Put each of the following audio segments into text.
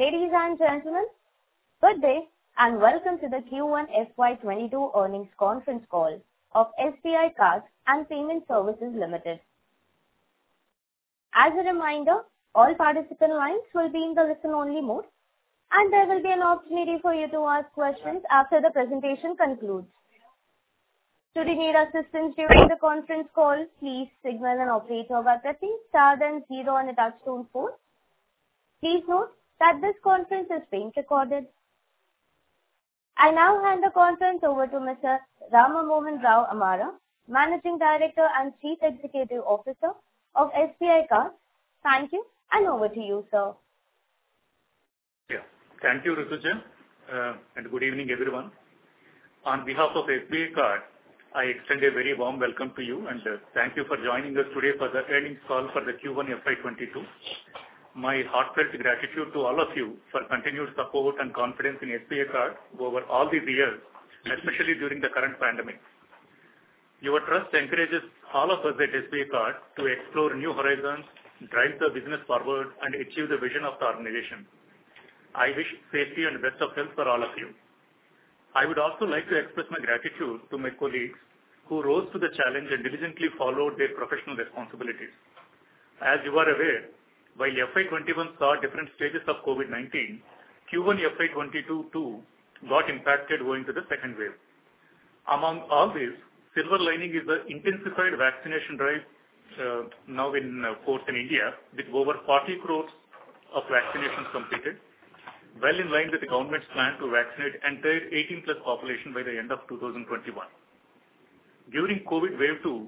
Ladies and gentlemen, good day. Welcome to the Q1 FY22 earnings conference call of SBI Cards and Payment Services Limited. As a reminder, all participant lines will be in the listen-only mode. There will be an opportunity for you to ask questions after the presentation concludes. Should you need assistance during the conference call, please signal an operator by pressing star then zero on your touchtone phone. Please note that this conference is being recorded. I now hand the conference over to Mr. Rama Mohan Rao Amara, Managing Director and Chief Executive Officer of SBI Card. Thank you. Over to you, sir. Yeah. Thank you, Rutuja. Good evening, everyone. On behalf of SBI Card, I extend a very warm welcome to you, and thank you for joining us today for the earnings call for the Q1 FY22. My heartfelt gratitude to all of you for continued support and confidence in SBI Card over all these years, especially during the current pandemic. Your trust encourages all of us at SBI Card to explore new horizons, drive the business forward, and achieve the vision of the organization. I wish safety and the best of health for all of you. I would also like to express my gratitude to my colleagues who rose to the challenge and diligently followed their professional responsibilities. As you are aware, while FY21 saw different stages of COVID-19, Q1 FY22 too got impacted going to the second wave. Among all this, silver lining is the intensified vaccination drive now in force in India, with over 40 crores of vaccinations completed, well in line with the government's plan to vaccinate entire 18-plus population by the end of 2021. During COVID wave two,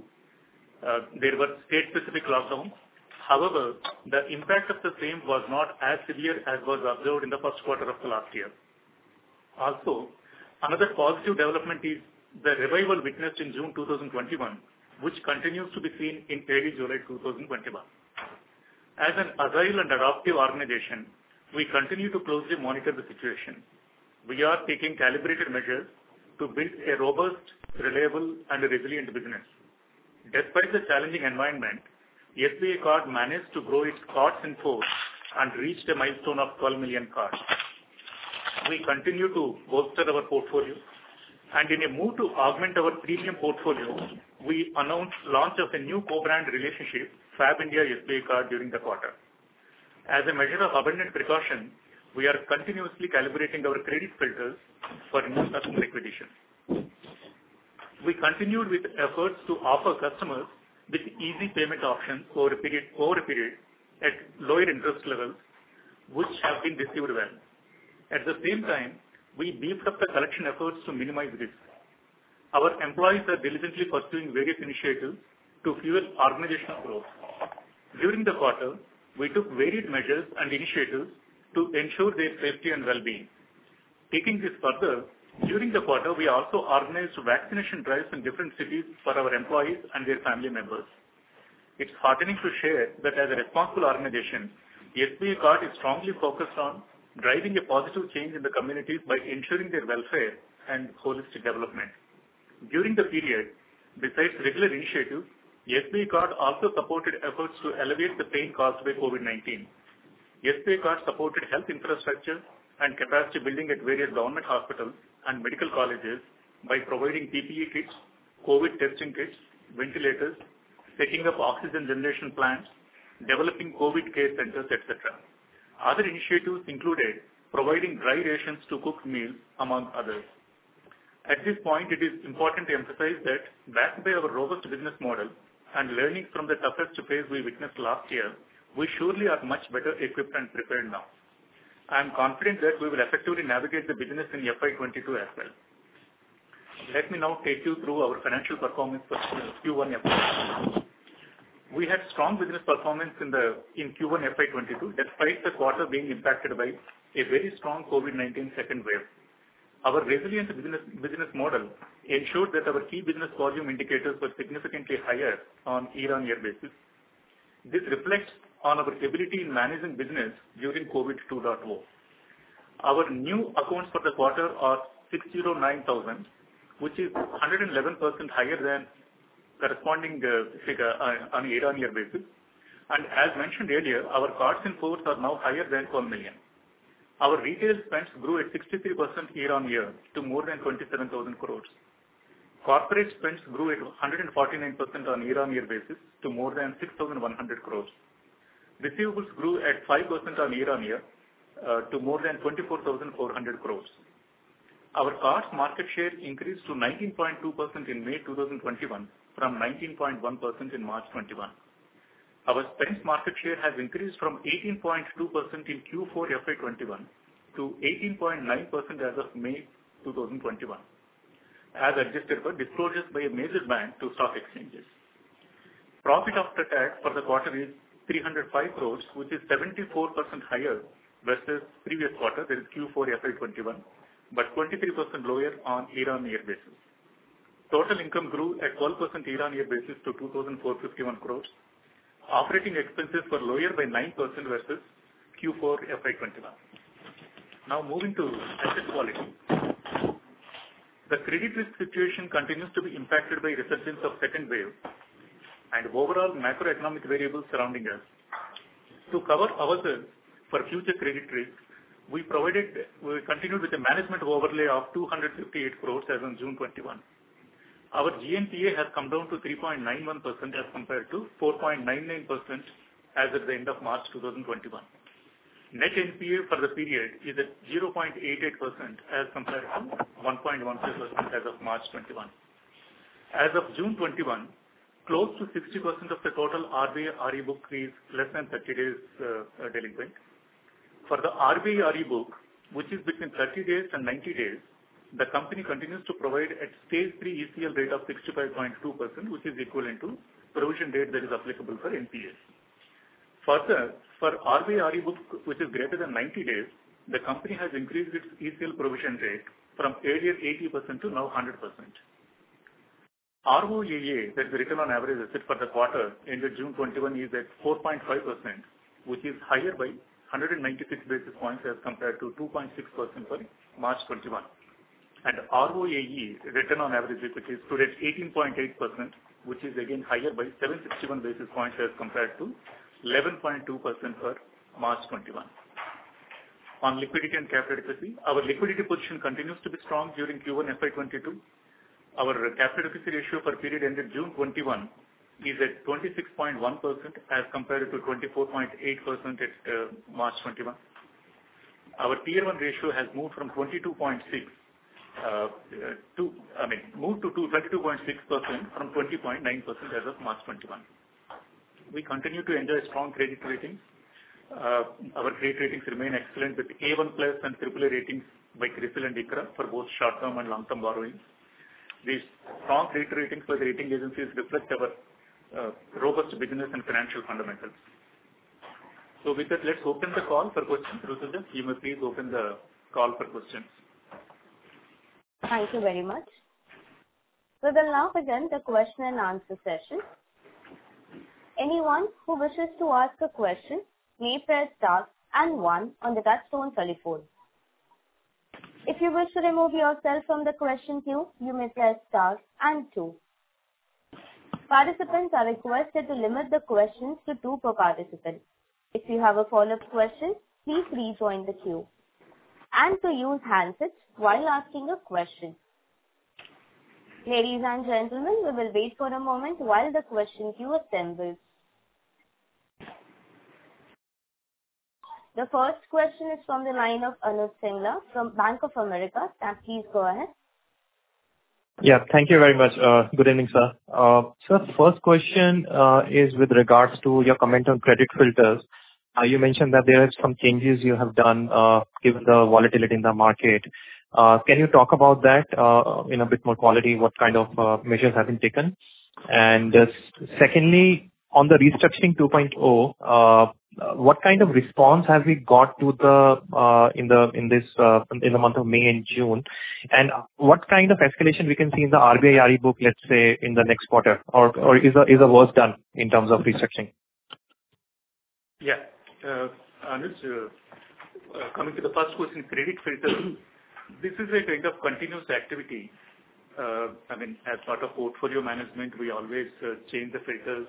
there were state-specific lockdowns. The impact of the same was not as severe as was observed in the Q1 of the last year. Another positive development is the revival witnessed in June 2021, which continues to be seen in early July 2021. As an agile and adaptive organization, we continue to closely monitor the situation. We are taking calibrated measures to build a robust, reliable, and resilient business. Despite the challenging environment, SBI Card managed to grow its cards in force and reached a milestone of 12 million cards. We continue to bolster our portfolio. In a move to augment our premium portfolio, we announced launch of a new co-brand relationship, Fabindia SBI Card during the quarter. As a measure of abundant precaution, we are continuously calibrating our credit filters for more customer acquisition. We continued with efforts to offer customers with easy payment options over a period at lower interest levels, which have been received well. At the same time, we beefed up the collection efforts to minimize risk. Our employees are diligently pursuing various initiatives to fuel organizational growth. During the quarter, we took varied measures and initiatives to ensure their safety and well-being. Taking this further, during the quarter, we also organized vaccination drives in different cities for our employees and their family members. It's heartening to share that as a responsible organization, SBI Card is strongly focused on driving a positive change in the communities by ensuring their welfare and holistic development. During the period, besides regular initiatives, SBI Card also supported efforts to alleviate the pain caused by COVID-19. SBI Card supported health infrastructure and capacity building at various government hospitals and medical colleges by providing PPE kits, COVID testing kits, ventilators, setting up oxygen generation plants, developing COVID care centers, et cetera. Other initiatives included providing dry rations to cook meals, among others. At this point, it is important to emphasize that backed by our robust business model and learning from the toughest phase we witnessed last year, we surely are much better equipped and prepared now. I am confident that we will effectively navigate the business in FY22 as well. Let me now take you through our financial performance for Q1 FY 2022. We had strong business performance in Q1 FY 2022, despite the quarter being impacted by a very strong COVID-19 second wave. Our resilient business model ensured that our key business volume indicators were significantly higher on year-on-year basis. This reflects on our ability in managing business during COVID 2.0. Our new accounts for the quarter are 609,000, which is 111% higher than corresponding figure on a year-on-year basis. As mentioned earlier, our cards in force are now higher than 12 million. Our retail spends grew at 63% year-on-year to more than 27,000 crores. Corporate spends grew at 149% on year-on-year basis to more than 6,100 crores. Receivables grew at 5% on year-on-year, to more than 24,400 crores. Our card market share increased to 19.2% in May 2021 from 19.1% in March 2021. Our spends market share has increased from 18.2% in Q4 FY 2021 to 18.9% as of May 2021, as adjusted for disclosures by a major bank to stock exchanges. Profit after tax for the quarter is 305 crores, which is 74% higher versus previous quarter, that is Q4 FY 2021, but 23% lower on year-on-year basis. Total income grew at 12% year-on-year basis to 2,451 crores. Operating expenses were lower by 9% versus Q4 FY 2021. Moving to asset quality. The credit risk situation continues to be impacted by resurgence of second wave and overall macroeconomic variables surrounding us. To cover ourselves for future credit risk, we continued with the management overlay of 258 crores as on June 2021. Our GNPA has come down to 3.91% as compared to 4.99% as at the end of March 2021. Net NPA for the period is at 0.88% as compared to 1.15% as of March 2021. As of June 2021, close to 60% of the total RBI RE book is less than 30 days delinquent. For the RBI RE book, which is between 30 days and 90 days, the company continues to provide a stage 3 ECL rate of 65.2%, which is equivalent to provision rate that is applicable for NPAs. Further, for RBI RE book, which is greater than 90 days, the company has increased its ECL provision rate from earlier 80% to now 100%. ROAA, that's the return on average assets for the quarter ended June 2021, is at 4.5%, which is higher by 196 basis points as compared to 2.6% for March 2021. ROAE, return on average equity, stood at 18.8%, which is again higher by 761 basis points as compared to 11.2% for March 2021. On liquidity and capital adequacy, our liquidity position continues to be strong during Q1 FY 2022. Our capital adequacy ratio for period ended June 2021 is at 26.1% as compared to 24.8% at March 2021. Our Tier 1 ratio has moved to 22.6% from 20.9% as of March 2021. We continue to enjoy strong credit ratings. Our credit ratings remain excellent with A-1+ and AAA ratings by CRISIL and ICRA for both short-term and long-term borrowings. These strong credit ratings by the rating agencies reflect our robust business and financial fundamentals. With that, let's open the call for questions. Rutuja, you may please open the call for questions. Thank you very much. We will now begin the question and answer session. Anyone who wishes to ask a question, may press star one on the touchtone telephone. If you wish to remove yourself from the question queue, you may press star two. Participants are requested to limit the questions to two per participant. If you have a follow-up question, please rejoin the queue. To use handsets while asking a question. Ladies and gentlemen, we will wait for a moment while the question queue assembles. The first question is from the line of Anuj Singla from Bank of America. Sir, please go ahead. Thank you very much. Good evening, sir. Sir, first question is with regards to your comment on credit filters. You mentioned that there are some changes you have done given the volatility in the market. Can you talk about that in a bit more clarity, what kind of measures have been taken? Secondly, on the Restructuring 2.0, what kind of response have we got in the month of May and June, and what kind of escalation we can see in the RBI RE book, let's say, in the next quarter, or is the worst done in terms of restructuring? Yeah. Anuj, coming to the first question, credit filter, this is a kind of continuous activity. As part of portfolio management, we always change the filters.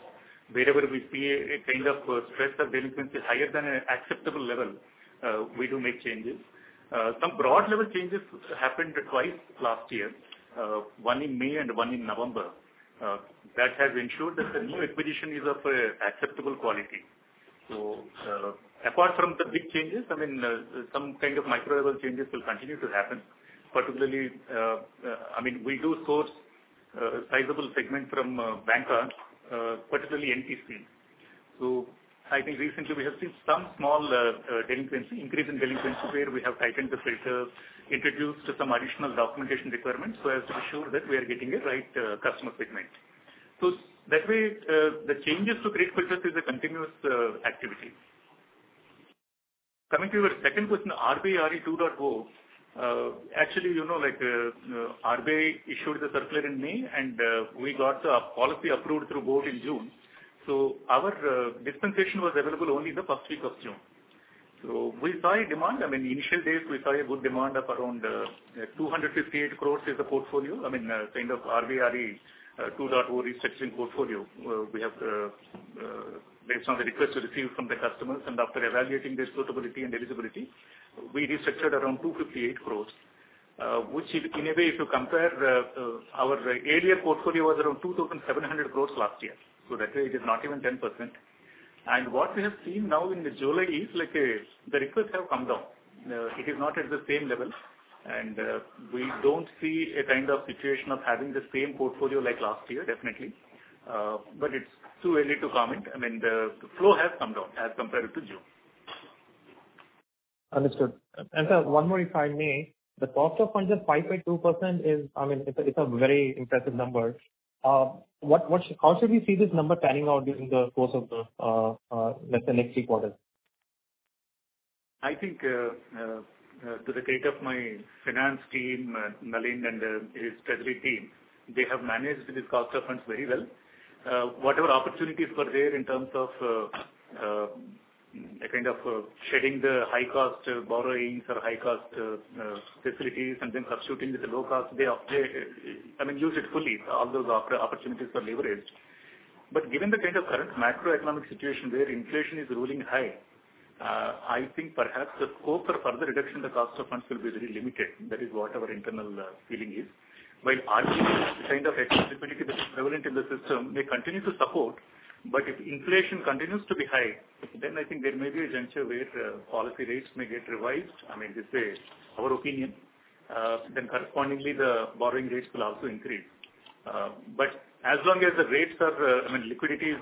Wherever we see a kind of stress or delinquency higher than an acceptable level, we do make changes. Some broad level changes happened twice last year, one in May and one in November. That has ensured that the new acquisition is of acceptable quality. Apart from the big changes, some kind of micro level changes will continue to happen. We do source a sizable segment from banks, particularly NPC. I think recently we have seen some small increase in delinquency where we have tightened the filters, introduced some additional documentation requirements so as to ensure that we are getting a right customer segment. That way, the changes to credit filters is a continuous activity. Coming to your second question, RBI RE 2.0. Actually, RBI issued the circular in May, and we got the policy approved through Board in June. Our dispensation was available only in the first week of June. We saw a demand. Initial days, we saw a good demand of around 258 crores is the portfolio, kind of RBI RE 2.0 restructuring portfolio based on the request received from the customers. After evaluating the suitability and eligibility, we restructured around 258 crores. Which in a way, if you compare our earlier portfolio was around 2,700 crores last year, so that way it is not even 10%. What we have seen now in the July is the requests have come down. It is not at the same level, and we don't see a kind of situation of having the same portfolio like last year, definitely. It's too early to comment. The flow has come down as compared to June. Understood. Sir, one more, if I may. The cost of funds is 5.2%. It's a very impressive number. How should we see this number panning out during the course of the next few quarters? I think to the credit of my finance team, Nalin and his treasury team. They have managed these cost of funds very well. Whatever opportunities were there in terms of kind of shedding the high-cost borrowings or high-cost facilities and then substituting with the low cost, they use it fully. All those opportunities were leveraged. Given the kind of current macroeconomic situation where inflation is ruling high, I think perhaps the scope for further reduction in the cost of funds will be very limited. That is what our internal feeling is. While RBI kind of excess liquidity that is prevalent in the system may continue to support, but if inflation continues to be high, then I think there may be a juncture where policy rates may get revised. This is our opinion. Correspondingly, the borrowing rates will also increase. As long as the liquidity is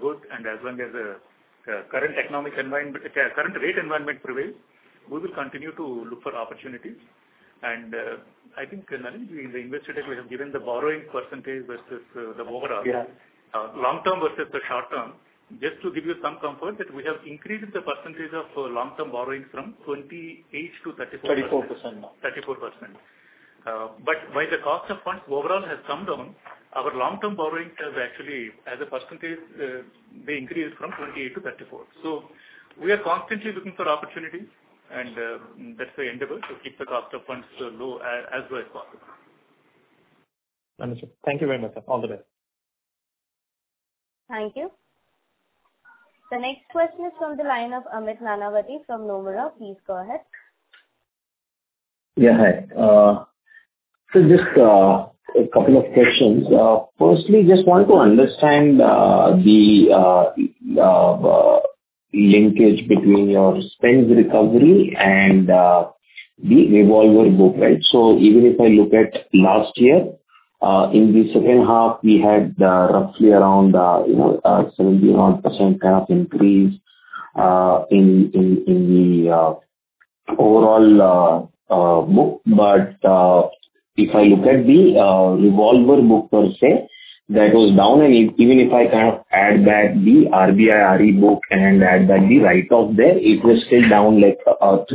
good and as long as the current rate environment prevails, we will continue to look for opportunities. I think, Nalin, in the Investor Day, we have given the borrowing percentage versus the overall. Yeah. Long-term versus the short-term, just to give you some comfort that we have increased the percentage of long-term borrowings from 28%-34%. 34%. 34%. While the cost of funds overall has come down, our long-term borrowings have actually, as a percentage, they increased from 28% -34%. We are constantly looking for opportunities, and that's the endeavor to keep the cost of funds as low as possible. Understood. Thank you very much, sir. All the best. Thank you. The next question is from the line of Amit Nanavati from Nomura. Please go ahead. Yeah. Hi. Just two questions. Firstly, just want to understand the linkage between your spends recovery and the revolver book. Even if I look at last year, in the second half, we had roughly around 71% kind of increase in the overall book. If I look at the revolver book per se, that was down. Even if I kind of add back the RBI book and add back the write-off there, it was still down like 3%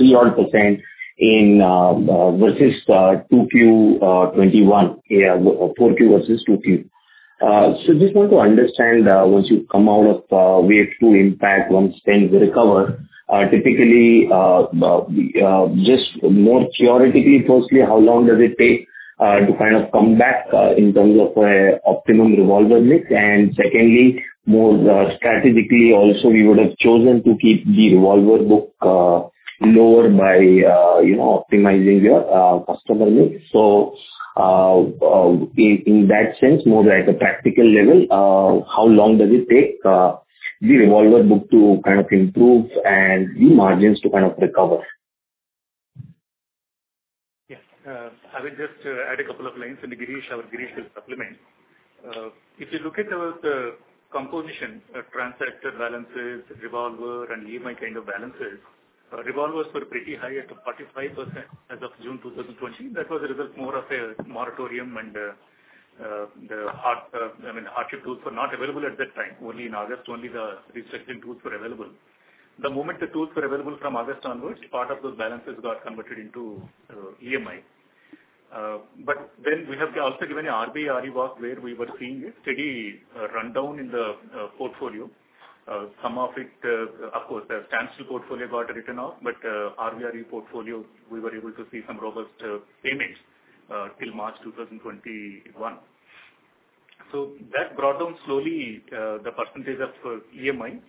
versus 4Q versus 2Q. Just want to understand, once you come out of Wave 2 impact, once spends recover, typically, just more theoretically, firstly, how long does it take to kind of come back in terms of a optimum revolver mix? Secondly, more strategically also, we would have chosen to keep the revolver book lower by optimizing your customer mix. In that sense, more at a practical level, how long does it take the revolver book to kind of improve and the margins to kind of recover? Yes. I will just add a couple of lines, and Girish will supplement. If you look at our composition, transactor balances, revolver, and EMI kind of balances, revolvers were pretty high at 45% as of June 2020. That was a result more of a moratorium and the hardship tools were not available at that time. Only in August, only the restructuring tools were available. The moment the tools were available from August onwards, part of those balances got converted into EMI. We have also given a RBI work where we were seeing a steady rundown in the portfolio. Some of it, of course, the standstill portfolio got written off, RBI portfolio, we were able to see some robust payments till March 2021. That brought down slowly the percentage of EMI.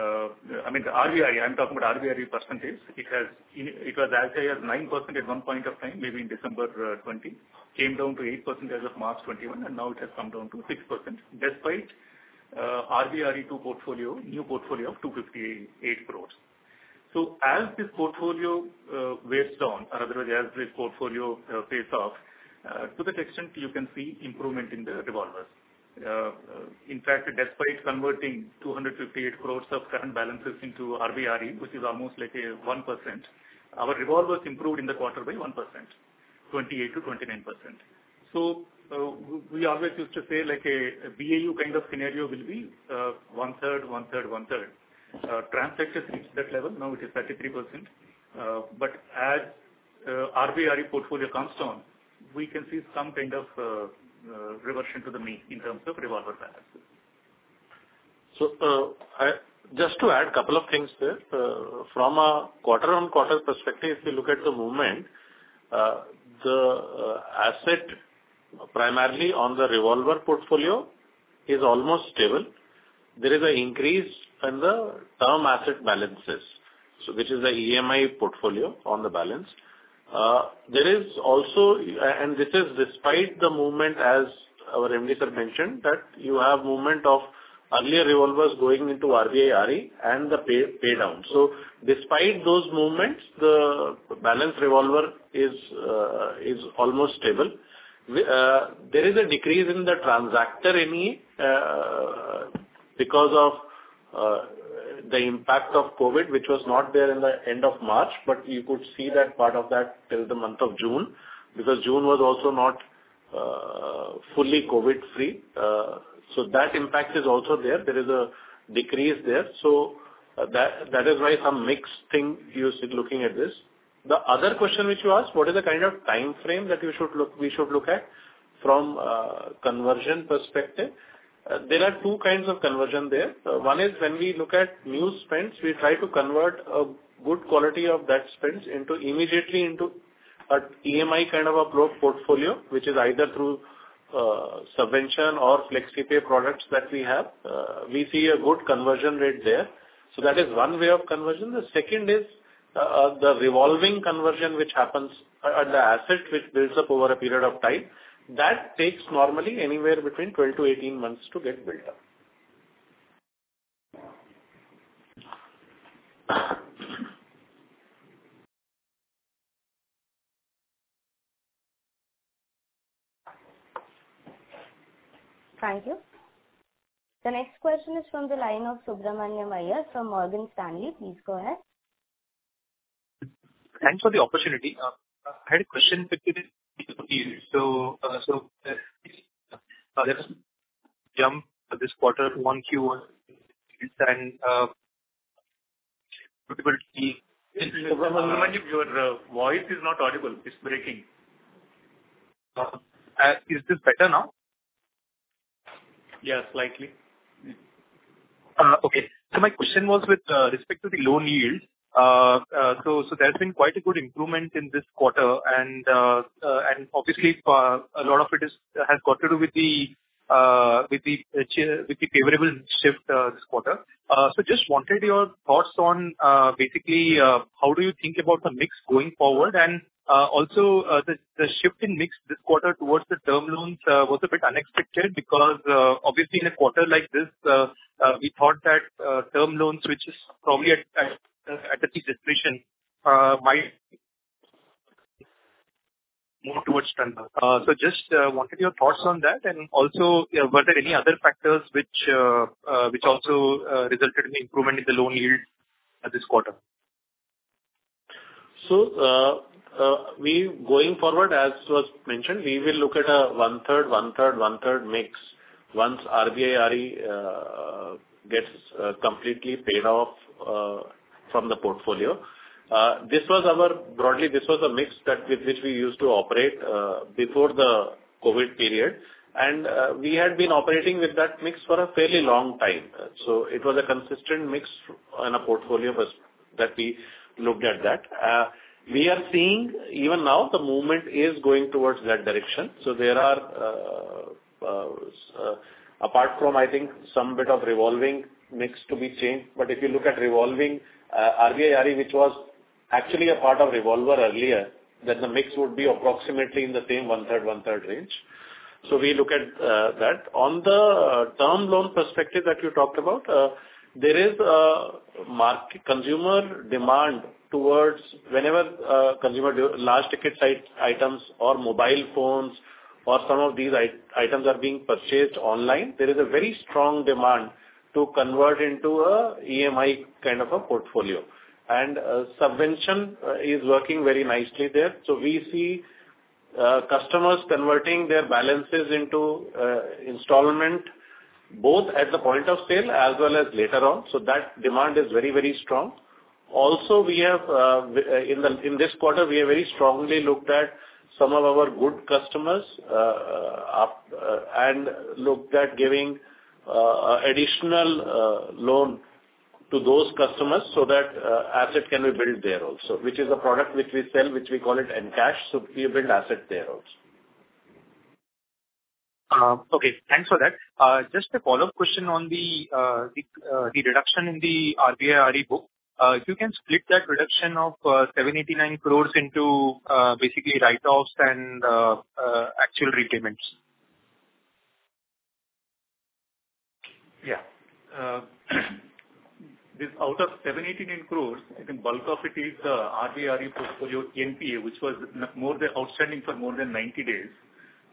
I mean, the RBI, I'm talking about RBI percentage. It was as high as 9% at one point of time, maybe in December 2020, came down to 8% as of March 2021, and now it has come down to 6%, despite RBI Resolution Framework 2.0 portfolio, new portfolio of 258 crores. As this portfolio wears down, or otherwise, as this portfolio pays off, to that extent, you can see improvement in the revolvers. In fact, despite converting 258 crores of current balances into RBI, which is almost like a 1%, our revolvers improved in the quarter by 1%, 28%-29%. We always used to say like a BAU kind of scenario will be 1/3, 1/3, 1/3. Transactors reached that level. Now it is 33%. As RBI portfolio comes down, we can see some kind of reversion to the mean in terms of revolver balances. Just to add a couple of things there. From a quarter-on-quarter perspective, if you look at the movement, the asset primarily on the revolver portfolio is almost stable. There is an increase in the term asset balances, so which is the EMI portfolio on the balance. This is despite the movement, as our MD, sir, mentioned, that you have movement of earlier revolvers going into RBI and the pay down. Despite those movements, the balance revolver is almost stable. There is a decrease in the transactor EMI because of the impact of COVID, which was not there in the end of March, but you could see that part of that till the month of June, because June was also not fully COVID-free. That impact is also there. There is a decrease there. That is why some mixed thing you see looking at this. The other question which you asked, what is the kind of timeframe that we should look at from a conversion perspective? There are 2 kinds of conversion there. One is when we look at new spends, we try to convert a good quality of that spends immediately into a EMI kind of a growth portfolio, which is either through Subvention or Flexipay products that we have. We see a good conversion rate there. That is one way of conversion. The second is the revolving conversion, which happens at the asset, which builds up over a period of time. That takes normally anywhere between 12-18 months to get built up. Thank you. The next question is from the line of Subramanian Iyer from Morgan Stanley. Please go ahead. Thanks for the opportunity. I had a question. Let's jump this Q1. Subramanian, your voice is not audible. It's breaking. Is this better now? Yes, slightly. My question was with respect to the loan yield. There's been quite a good improvement in this quarter, and obviously a lot of it has got to do with the favorable shift this quarter. Just wanted your thoughts on basically how do you think about the mix going forward? Also, the shift in mix this quarter towards the term loans was a bit unexpected because, obviously in a quarter like this, we thought that term loans, which is probably at the might move towards. Just wanted your thoughts on that. Also, were there any other factors which also resulted in improvement in the loan yield at this quarter? Going forward, as was mentioned, we will look at a one-third, one-third, one-third mix once RBI RE gets completely paid off from the portfolio. Broadly, this was a mix with which we used to operate before the COVID period, and we had been operating with that mix for a fairly long time. It was a consistent mix on a portfolio that we looked at that. We are seeing even now the movement is going towards that direction. There are, apart from, I think, some bit of revolving mix to be changed, but if you look at revolving RBI RE, which was actually a part of revolver earlier, then the mix would be approximately in the same one-third, one-third range. We look at that. On the term loan perspective that you talked about, there is a consumer demand towards whenever consumer large ticket items or mobile phones or some of these items are being purchased online, there is a very strong demand to convert into a EMI kind of a portfolio. Subvention is working very nicely there. We see customers converting their balances into installment, both at the point of sale as well as later on. That demand is very strong. Also, in this quarter, we have very strongly looked at some of our good customers and looked at giving additional loan to those customers so that asset can be built there also, which is a product which we sell, which we call it Encash. We build asset there also. Okay. Thanks for that. Just a follow-up question on the reduction in the RBI RE book, if you can split that reduction of 789 crores into basically write-offs and actual repayments? Yeah. Out of 789 crores, I think bulk of it is the RBI RE portfolio NPA, which was outstanding for more than 90 days.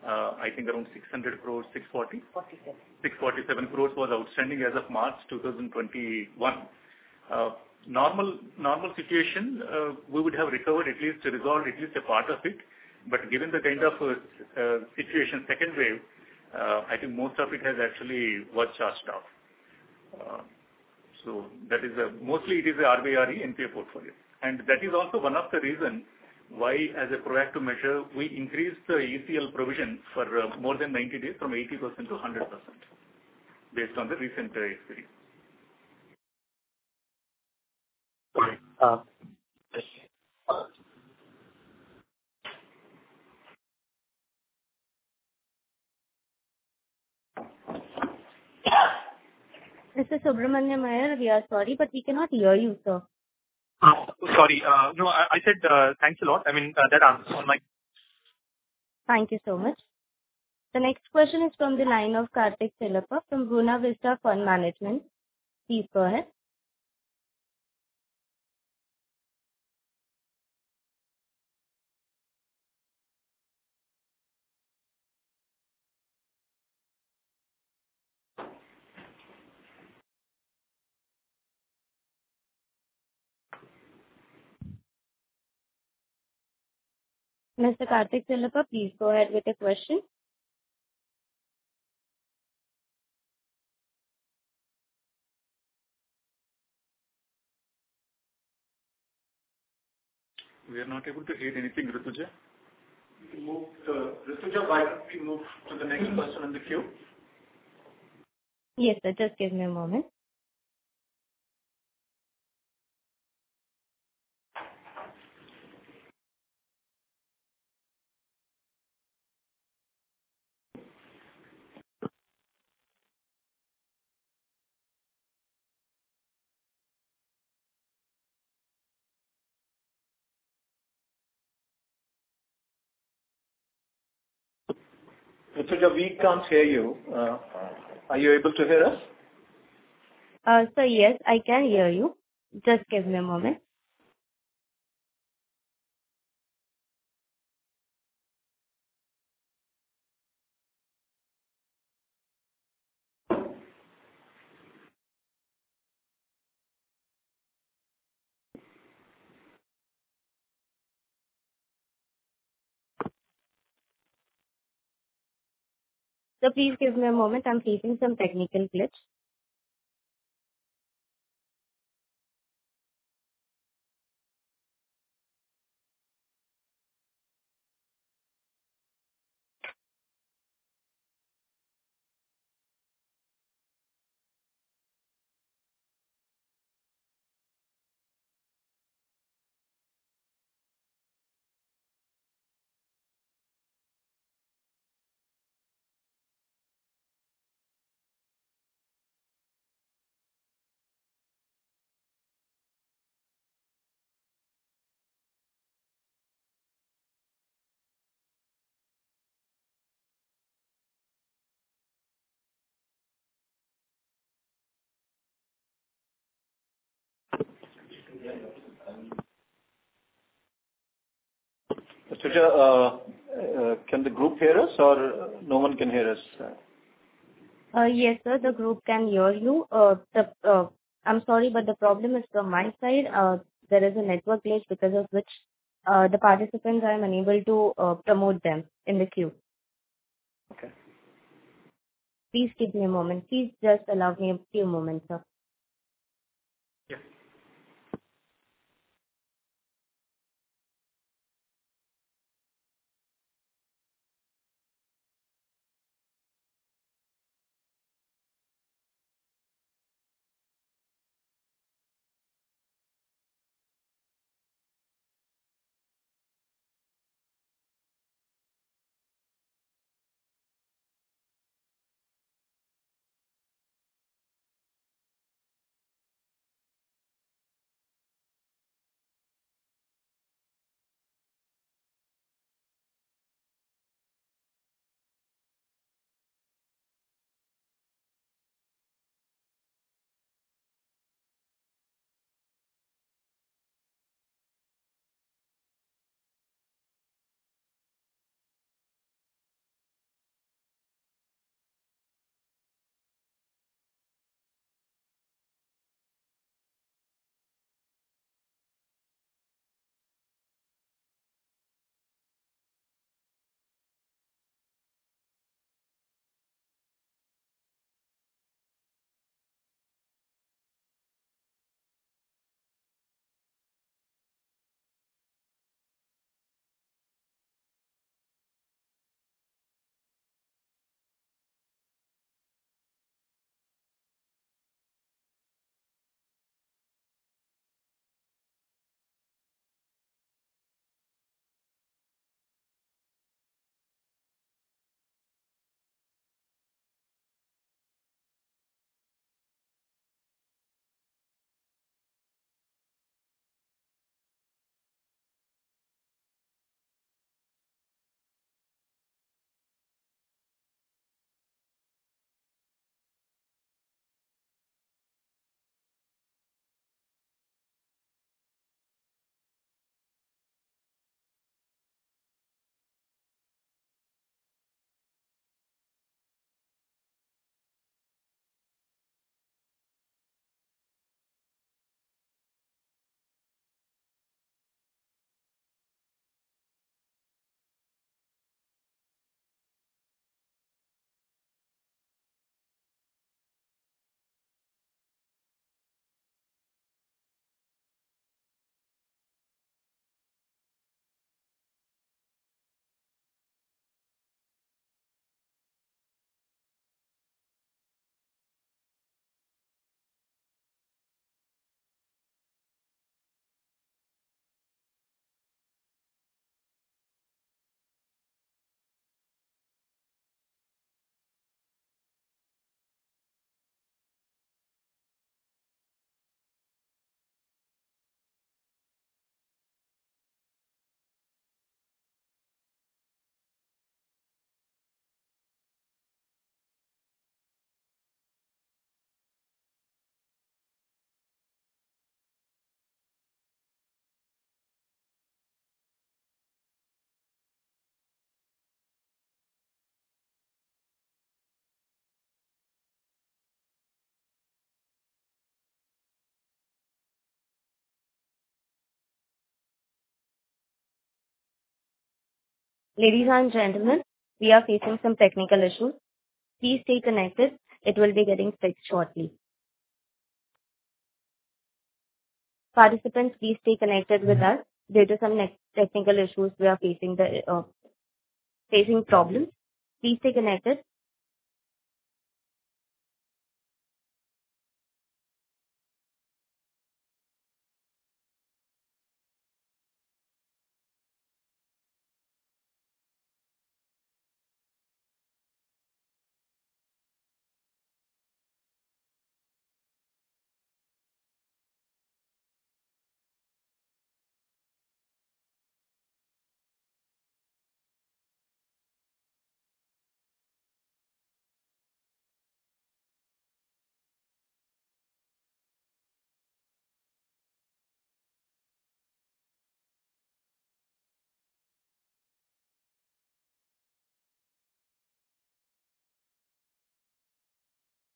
I think around 600 crores, 640? 47. 647 crore was outstanding as of March 2021. Normal situation, we would have resolved at least a part of it. Given the kind of situation second wave, I think most of it has actually was charged off. Mostly it is a RBI RE NPA portfolio. That is also one of the reason why as a proactive measure, we increased the ACL provision for more than 90 days from 80% to 100%, based on the recent experience. Okay. Thank you. Mr. Subramanian Iyer, we are sorry, but we cannot hear you, sir. Sorry. No, I said, thanks a lot. I mean, that answers all my. Thank you so much. The next question is from the line of Kartik Tillappa from Buena Vista Fund Management. Please go ahead. Mr. Kartik Tillappa, please go ahead with your question. We are not able to hear anything, Rutuja. Rutuja, why don't we move to the next person in the queue? Yes, sir. Just give me a moment. Rutuja, we can't hear you. Are you able to hear us? Sir, yes, I can hear you. Just give me a moment. Sir, please give me a moment. I'm facing some technical glitch. Rutuja, can the group hear us or no one can hear us? Yes, sir, the group can hear you. I'm sorry, the problem is from my side. There is a network glitch because of which the participants, I am unable to promote them in the queue. Okay. Please give me a moment. Please just allow me a few moments, sir.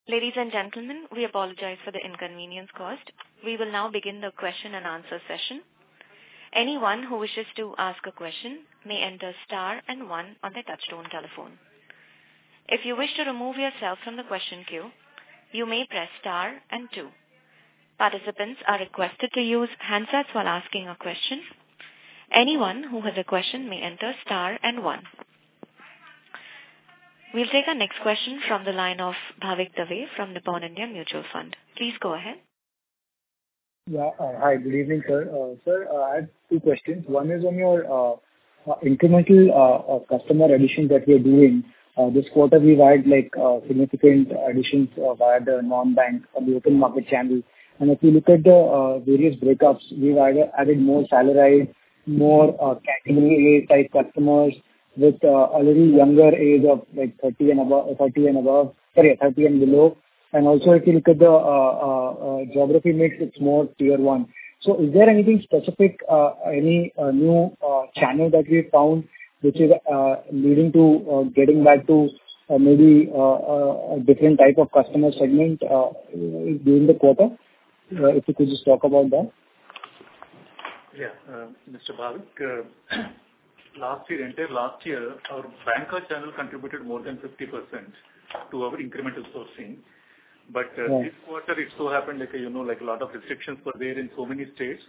Yes. We'll take our next question from the line of Bhavik Dave from Nippon India Mutual Fund. Please go ahead. Yeah. Hi, good evening, sir. Sir, I have two questions. One is on your incremental customer additions that you're doing. This quarter, we had significant additions via the non-bank or the open market channel. If you look at the various breakups, we've added more salaried, more category A type customers with a little younger age of 30 and below. Also, if you look at the geography mix, it's more tier 1. Is there anything specific, any new channel that we found, which is leading to getting back to maybe a different type of customer segment during the quarter? If you could just talk about that. Yeah. Mr. Bhavik, last year, our banker channel contributed more than 50% to our incremental sourcing. This quarter, it so happened, like a lot of restrictions were there in so many states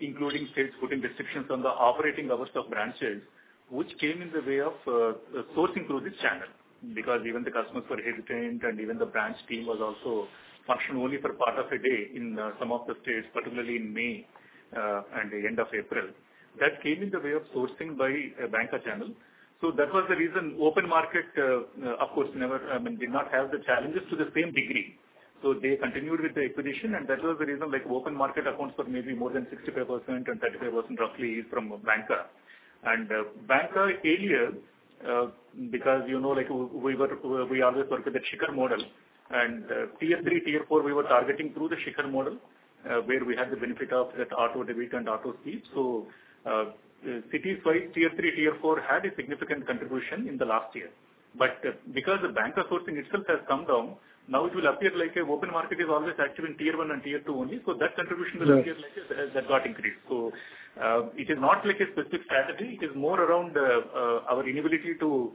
including states putting restrictions on the operating hours of branches, which came in the way of sourcing through this channel, because even the customers were hesitant, and even the branch team was also functioned only for part of the day in some of the states, particularly in May and the end of April. That came in the way of sourcing by a banker channel. That was the reason open market, of course, did not have the challenges to the same degree. They continued with the acquisition, and that was the reason open market accounts for maybe more than 65% and 35% roughly from banker. Banker earlier because we always work with the Shikhar model and tier 3, tier 4, we were targeting through the Shikhar model where we had the benefit of that auto debit and auto sweep. Because the banker sourcing itself has come down, now it will appear like open market is always active in tier 1 and tier 2 only. That contribution will appear like that got increased. It is not like a specific strategy. It is more around our inability to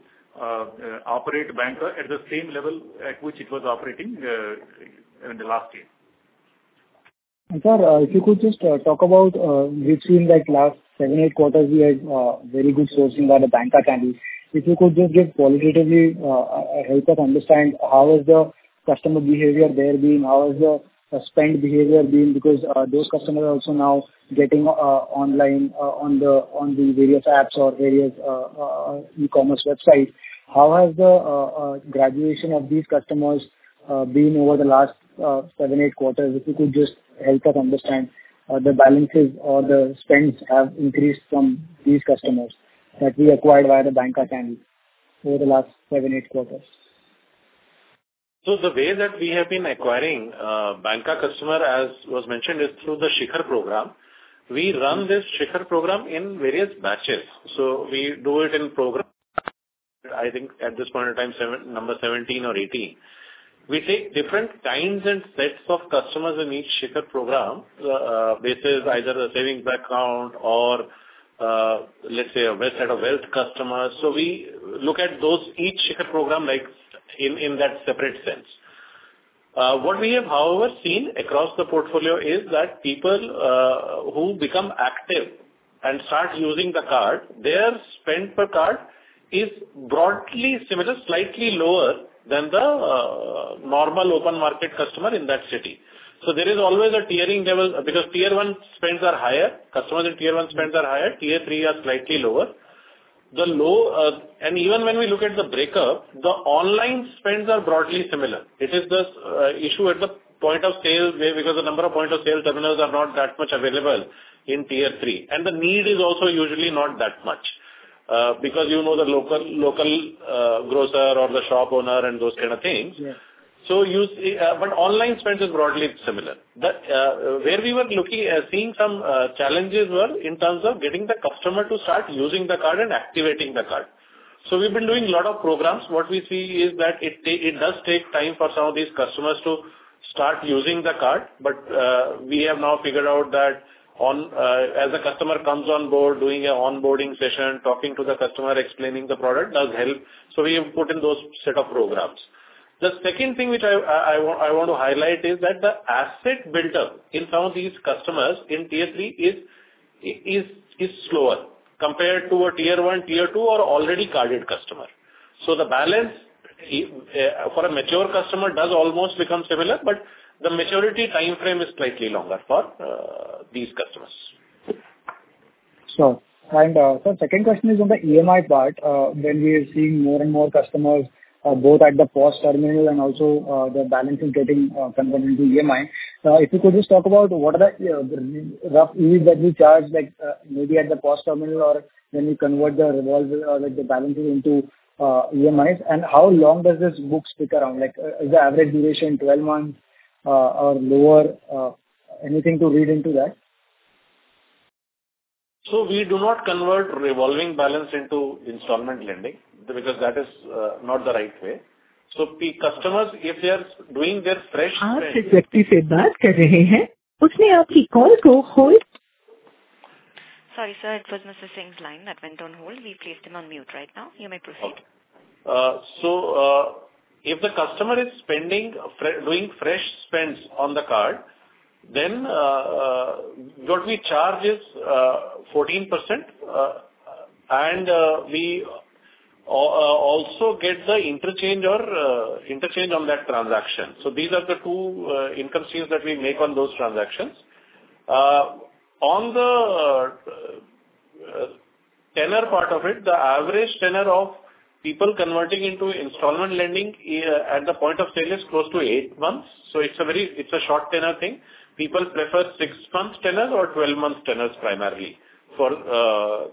operate banker at the same level at which it was operating in the last year. Sir, if you could just talk about between last seven, eight quarters, we had very good sourcing by the banker channel. If you could just give qualitatively, help us understand how is the customer behavior there been, how is the spend behavior been, because those customers are also now getting online on the various apps or various e-commerce websites. How has the graduation of these customers been over the last seven, eight quarters? If you could just help us understand the balances or the spends have increased from these customers that we acquired via the banker channel over the last seven, eight quarters. The way that we have been acquiring banker customer, as was mentioned, is through the Shikhar program. We run this Shikhar program in various batches. We do it in program, I think at this point of time, number 17 or 18. We take different kinds and sets of customers in each Shikhar program basis either a savings bank account or let's say a set of wealth customers. We look at those, each Shikhar program in that separate sense. What we have, however, seen across the portfolio is that people who become active and start using the card, their spend per card is broadly similar, slightly lower than the normal open market customer in that city. There is always a tiering level because tier 1 spends are higher. Customers in tier 1 spends are higher. Tier 3 are slightly lower. Even when we look at the breakup, the online spends are broadly similar. It is this issue at the point of sale where, because the number of point of sale terminals are not that much available in tier 3. The need is also usually not that much because you know the local grocer or the shop owner and those kind of things. Yeah. Online spend is broadly similar. Where we were seeing some challenges were in terms of getting the customer to start using the card and activating the card. We've been doing a lot of programs. What we see is that it does take time for some of these customers to start using the card. We have now figured out that as a customer comes on board, doing an onboarding session, talking to the customer, explaining the product does help. We have put in those set of programs. The second thing which I want to highlight is that the asset build-up in some of these customers in tier 3 is slower compared to a tier 1, tier 2, or already carded customer. The balance for a mature customer does almost become similar, but the maturity timeframe is slightly longer for these customers. Sure. Sir, second question is on the EMI part. When we are seeing more and more customers, both at the POS terminal and also their balances getting converted into EMI. If you could just talk about what are the rough fees that you charge, maybe at the POS terminal or when you convert the balances into EMIs, and how long does this book stick around? Is the average duration 12 months or lower? Anything to read into that? We do not convert revolving balance into installment lending because that is not the right way. Customers, if they are doing their fresh spend. Sorry, sir. It was Mr. Singh's line that went on hold. We've placed him on mute right now. You may proceed. Okay. If the customer is doing fresh spends on the card, then what we charge is 14%, and we also get the interchange on that transaction. These are the two income streams that we make on those transactions. On the tenor part of it, the average tenor of people converting into installment lending at the point of sale is close to 8 months. It's a short tenor thing. People prefer 6-month tenors or 12-month tenors primarily for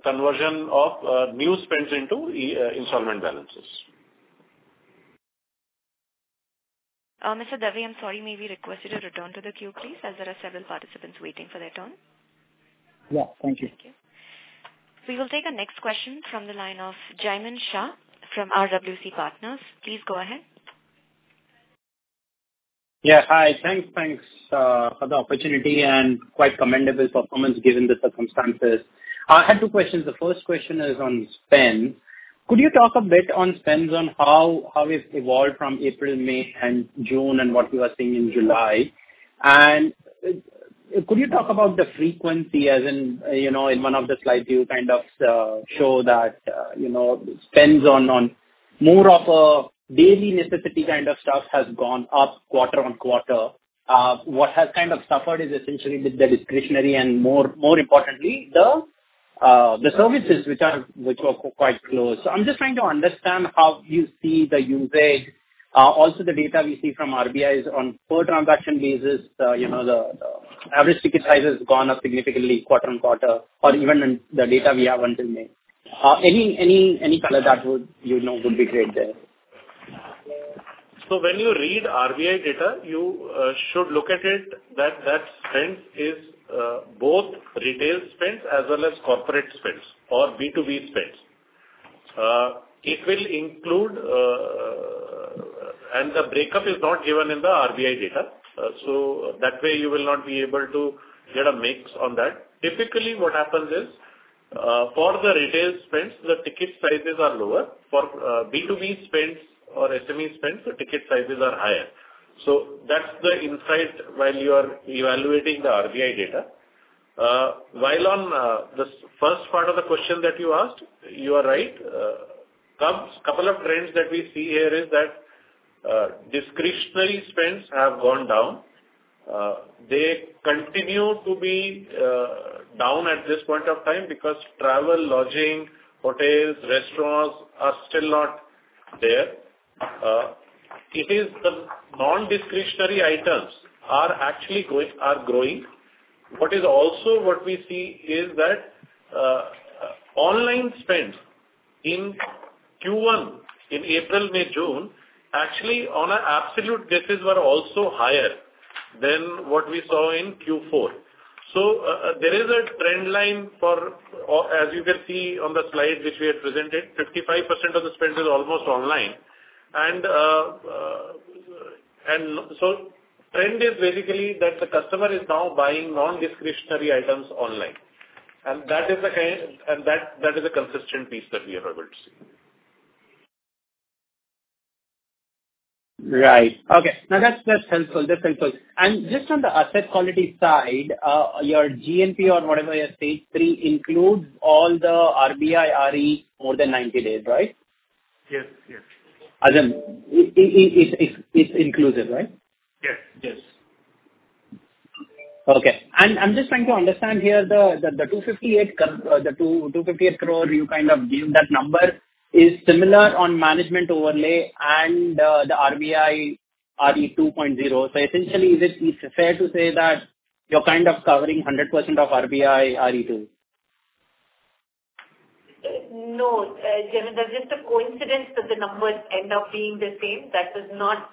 conversion of new spends into installment balances. Mr. Dave, I'm sorry, may we request you to return to the queue, please? As there are several participants waiting for their turn. Yeah. Thank you. Thank you. We will take our next question from the line of Jaimin Shah from RWC Partners. Please go ahead. Yeah. Hi. Thanks for the opportunity and quite commendable performance given the circumstances. I had two questions. The first question is on spend. Could you talk a bit on spends on how it's evolved from April, May, and June, and what you are seeing in July? Could you talk about the frequency, as in one of the slides, you kind of show that spends on more of a daily necessity kind of stuff has gone up quarter-on-quarter. What has kind of suffered is essentially the discretionary and, more importantly, the services which were quite close. I'm just trying to understand how you see the usage. Also the data we see from RBI is on per transaction basis, the average ticket size has gone up significantly quarter-on-quarter or even in the data we have until May. Any color that would be great there. When you read RBI data, you should look at it that spend is both retail spends as well as corporate spends or B2B spends. The breakup is not given in the RBI data, so that way you will not be able to get a mix on that. Typically, what happens is, for the retail spends, the ticket sizes are lower. For B2B spends or SME spends, the ticket sizes are higher. That's the insight while you are evaluating the RBI data. While on the first part of the question that you asked, you are right. Couple of trends that we see here is that discretionary spends have gone down. They continue to be down at this point of time because travel, lodging, hotels, restaurants are still not there. It is the non-discretionary items are actually growing. What is also what we see is that online spends in Q1, in April, May, June, actually on an absolute basis were also higher than what we saw in Q4. There is a trend line for, as you can see on the slide which we had presented, 55% of the spend is almost online. Trend is basically that the customer is now buying non-discretionary items online. That is a consistent piece that we are able to see. Right. Okay. No, that's helpful. Just on the asset quality side, your GNPA or whatever your stage 3 includes all the RBI RE more than 90 days, right? Yes. It's inclusive, right? Yes. Okay. I'm just trying to understand here, the 258 crore you gave that number is similar on management overlay and the RBI RE 2.0. Essentially, is it fair to say that you're kind of covering 100% of RBI RE too? No. Jaimin, coincidence that the numbers end up being the same. That was not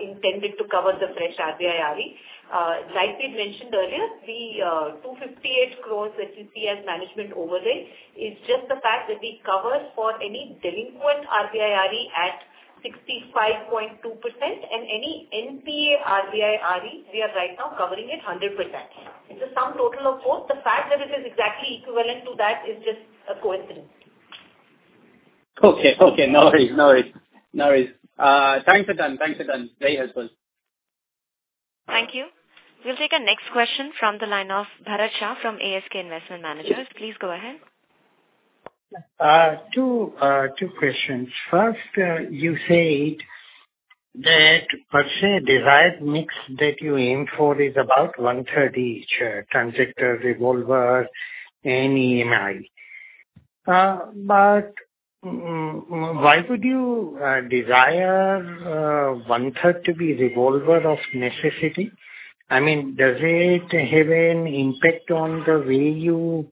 intended to cover the fresh RBI RE. Like we had mentioned earlier, the 258 crores that you see as management overlay is just the fact that we cover for any delinquent RBI RE at 65.2% and any NPA RBI RE, we are right now covering it 100%. It's the sum total of both. The fact that it is exactly equivalent to that is just a coincidence. Okay. No worries. Thanks, Adan. Stay in touch. Thank you. We'll take our next question from the line of Bharat Shah from ASK Investment Managers. Please go ahead. Two questions. First, you said that per se desired mix that you aim for is about one-third each, transactor, revolver, and EMI. Why would you desire one-third to be revolver of necessity? I mean, does it have an impact on the way you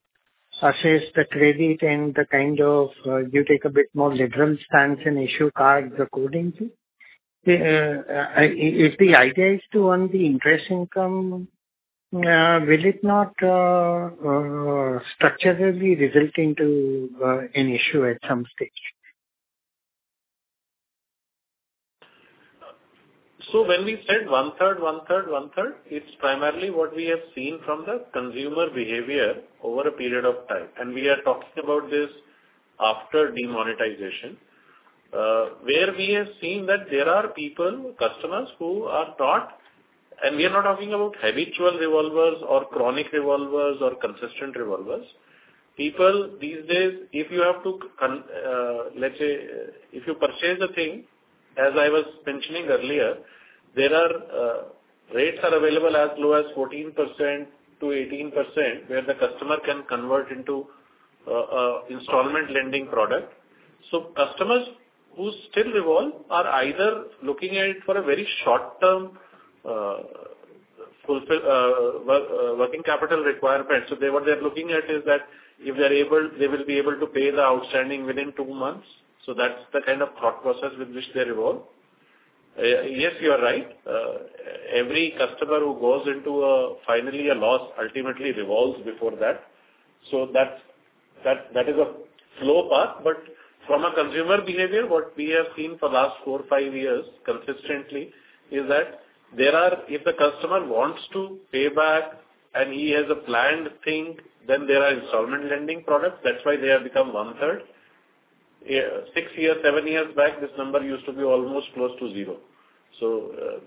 assess the credit and do you take a bit more liberal stance and issue card accordingly? If the idea is to earn the interest income, will it not structurally result into an issue at some stage? When we said 1/3, 1/3, 1/3, it's primarily what we have seen from the consumer behavior over a period of time. We are talking about this after demonetization, where we have seen that there are people, customers, who are taught. We are not talking about habitual revolvers or chronic revolvers or consistent revolvers. People these days, let's say, if you purchase a thing, as I was mentioning earlier, rates are available as low as 14%-18%, where the customer can convert into installment lending product. Customers who still revolve are either looking at it for a very short-term working capital requirement. What they're looking at is that they will be able to pay the outstanding within two months. That's the kind of thought process with which they revolve. Yes, you are right. Every customer who goes into finally a loss ultimately revolves before that. That is a slow path, but from a consumer behavior, what we have seen for the last four or five years consistently is that if the customer wants to pay back and he has a planned thing, then there are installment lending products. That's why they have become 1/3. Six years, seven years back, this number used to be almost close to zero.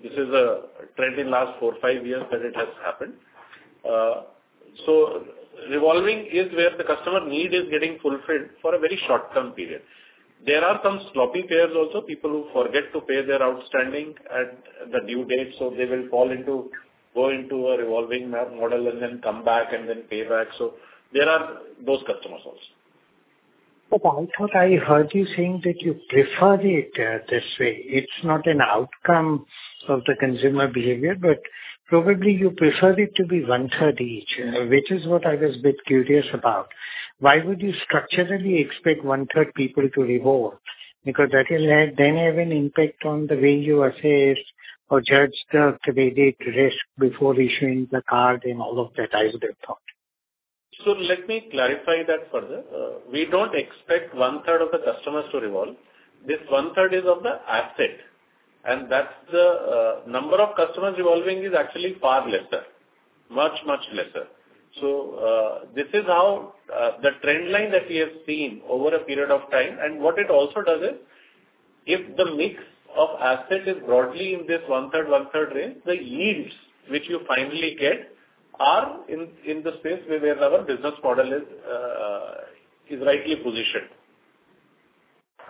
This is a trend in the last four, five years that it has happened. Revolving is where the customer need is getting fulfilled for a very short-term period. There are some sloppy payers also, people who forget to pay their outstanding at the due date, so they will go into a revolving model and then come back and then pay back. There are those customers also. I thought I heard you saying that you prefer it this way. It's not an outcome of the consumer behavior, but probably you prefer it to be one-third each, which is what I was a bit curious about. Why would you structurally expect one-third people to revolve? That will then have an impact on the way you assess or judge the credit risk before issuing the card and all of that, I would have thought. Let me clarify that further. We don't expect 1/3 of the customers to revolve. This 1/3 is of the asset, and that's the number of customers revolving is actually far lesser. Much lesser. This is how the trend line that we have seen over a period of time, and what it also does is, if the mix of asset is broadly in this one-third, one-third range, the yields which you finally get are in the space where our business model is rightly positioned.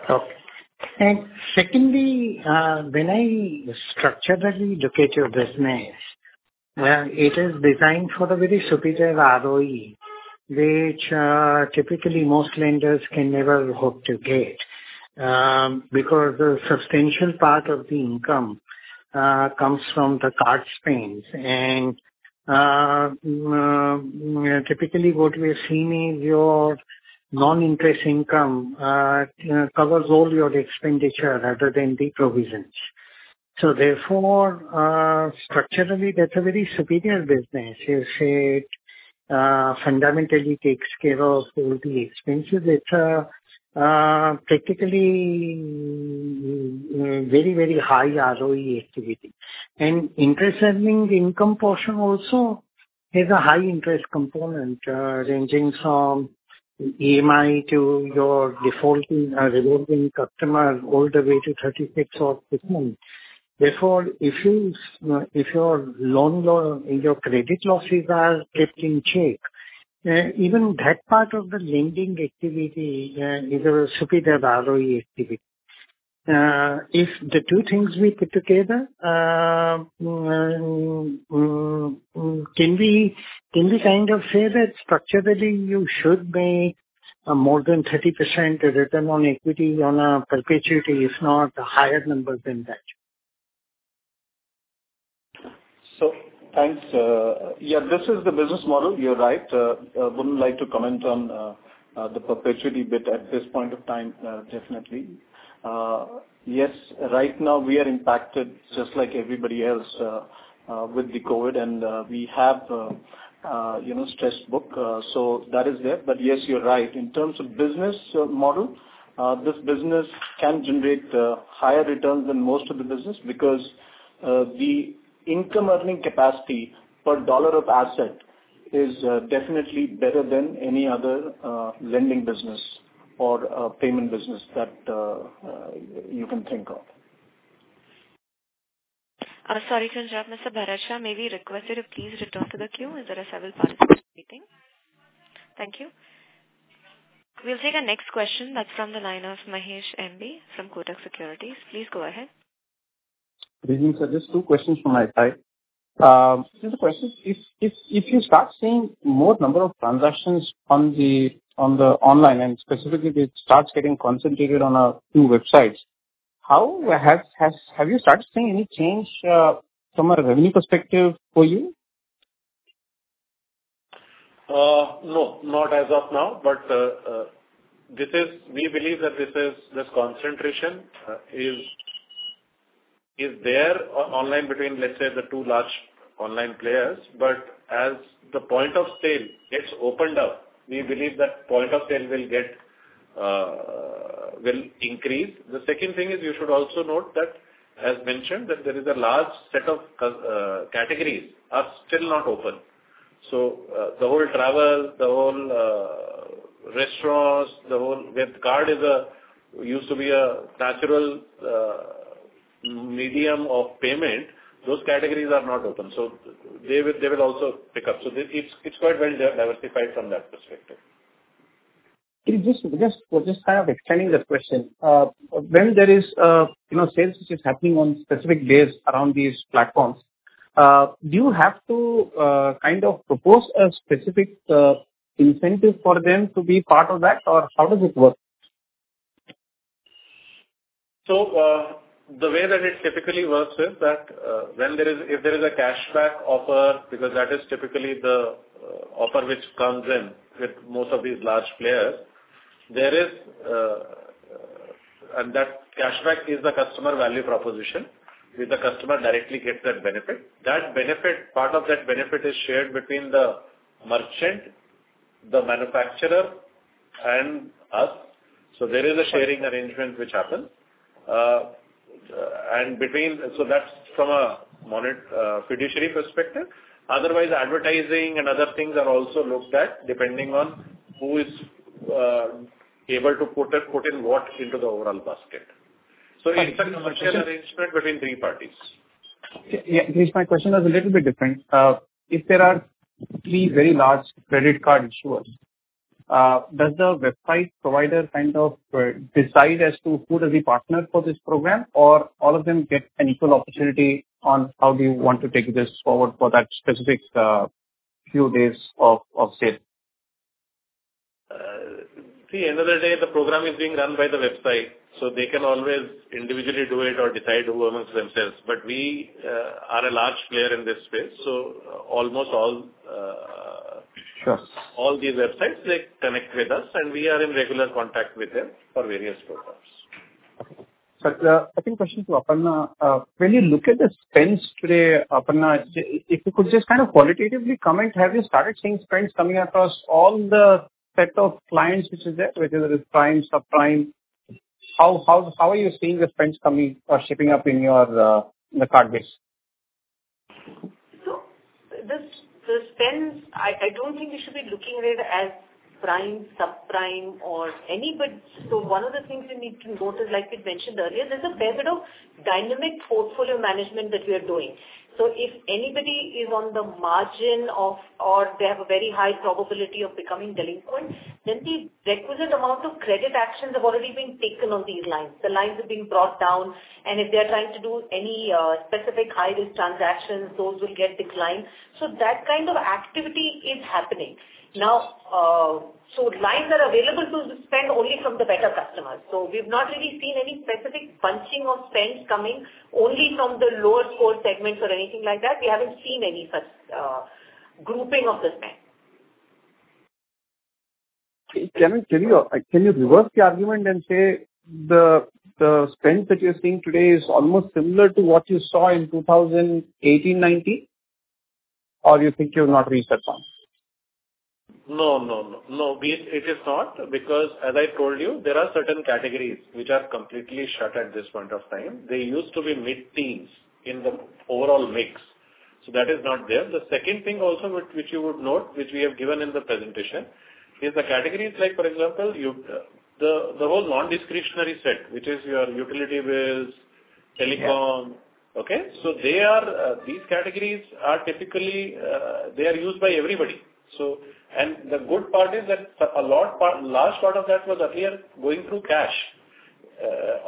Okay. Secondly, when I structurally look at your business, it is designed for a very superior ROE, which typically most lenders can never hope to get, because a substantial part of the income comes from the card spends. Typically, what we are seeing is your non-interest income covers all your expenditure other than the provisions. Therefore, structurally, that's a very superior business. You say it fundamentally takes care of all the expenses. It's a practically very high ROE activity. Interest earning income portion also is a high-interest component, ranging from EMI to your defaulting revolving customers all the way to 36 months. If your credit losses are kept in check, even that part of the lending activity is a superior ROE activity. If the two things we put together, can we kind of say that structurally you should make more than 30% return on equity on a perpetuity, if not a higher number than that? Thanks. Yeah, this is the business model. You're right. I wouldn't like to comment on the perpetuity bit at this point of time, definitely. Yes, right now we are impacted just like everybody else with the COVID and we have a stress book. That is there. Yes, you're right. In terms of business model, this business can generate higher returns than most of the business because the income-earning capacity per dollar of asset is definitely better than any other lending business or payment business that you can think of. Sorry to interrupt, Mr. Bharat Shah. May we request you to please return to the queue as there are several participants waiting. Thank you. We'll take our next question. That's from the line of Mahesh MB from Kotak Securities. Please go ahead. Good evening, sir. Just two questions from my side. The first question, if you start seeing more number of transactions on the online and specifically it starts getting concentrated on a few websites, have you started seeing any change from a revenue perspective for you? No. Not as of now, we believe that this concentration is there online between, let's say, the two large online players. As the point of sale gets opened up, we believe that point of sale will increase. The second thing is you should also note that, as mentioned, there is a large set of categories are still not open. The whole travel, the whole restaurants, where the card used to be a natural medium of payment, those categories are not open. They will also pick up. It's quite well-diversified from that perspective. Just kind of extending that question. When there is sales which is happening on specific days around these platforms, do you have to propose a specific incentive for them to be part of that or how does it work? The way that it typically works is that if there is a cashback offer, because that is typically the offer which comes in with most of these large players, and that cashback is the customer value proposition where the customer directly gets that benefit. Part of that benefit is shared between the merchant, the manufacturer, and us. There is a sharing arrangement which happens. That's from a fiduciary perspective. Otherwise, advertising and other things are also looked at depending on who is able to put in what into the overall basket. It's a commercial arrangement between three parties. My question was a little bit different. If there are three very large credit card issuers, does the website provider decide as to who does he partner for this program, or all of them get an equal opportunity on how they want to take this forward for that specific few days of sale? End of the day, the program is being run by the website. They can always individually do it or decide who amongst themselves. We are a large player in this space. Sure. All these websites, they connect with us and we are in regular contact with them for various programs. Second question to Aparna. When you look at the spends today, Aparna, if you could just kind of qualitatively comment, have you started seeing spends coming across all the set of clients, which is the prime, subprime? How are you seeing the spends coming or shaping up in the card base? The spends, I don't think we should be looking at it as prime, subprime or any, but so one of the things we need to note is, like we mentioned earlier, there's a fair bit of dynamic portfolio management that we are doing. If anybody is on the margin of, or they have a very high probability of becoming delinquent, then the requisite amount of credit actions have already been taken on these lines. The lines have been brought down, and if they're trying to do any specific high-risk transactions, those will get declined. That kind of activity is happening. Lines are available to spend only from the better customers. We've not really seen any specific bunching of spends coming only from the lower score segments or anything like that. We haven't seen any such grouping of the spend. Can you reverse the argument and say the spend that you're seeing today is almost similar to what you saw in 2018/2019? Or you think you've not reached that point? No. It is not because, as I told you, there are certain categories which are completely shut at this point of time. They used to be mid-teens in the overall mix. That is not there. The second thing also, which you would note, which we have given in the presentation, is the categories like, for example, the whole non-discretionary set, which is your utility bills, telecom. Yeah. Okay. These categories are typically used by everybody. The good part is that a large part of that was earlier going through cash.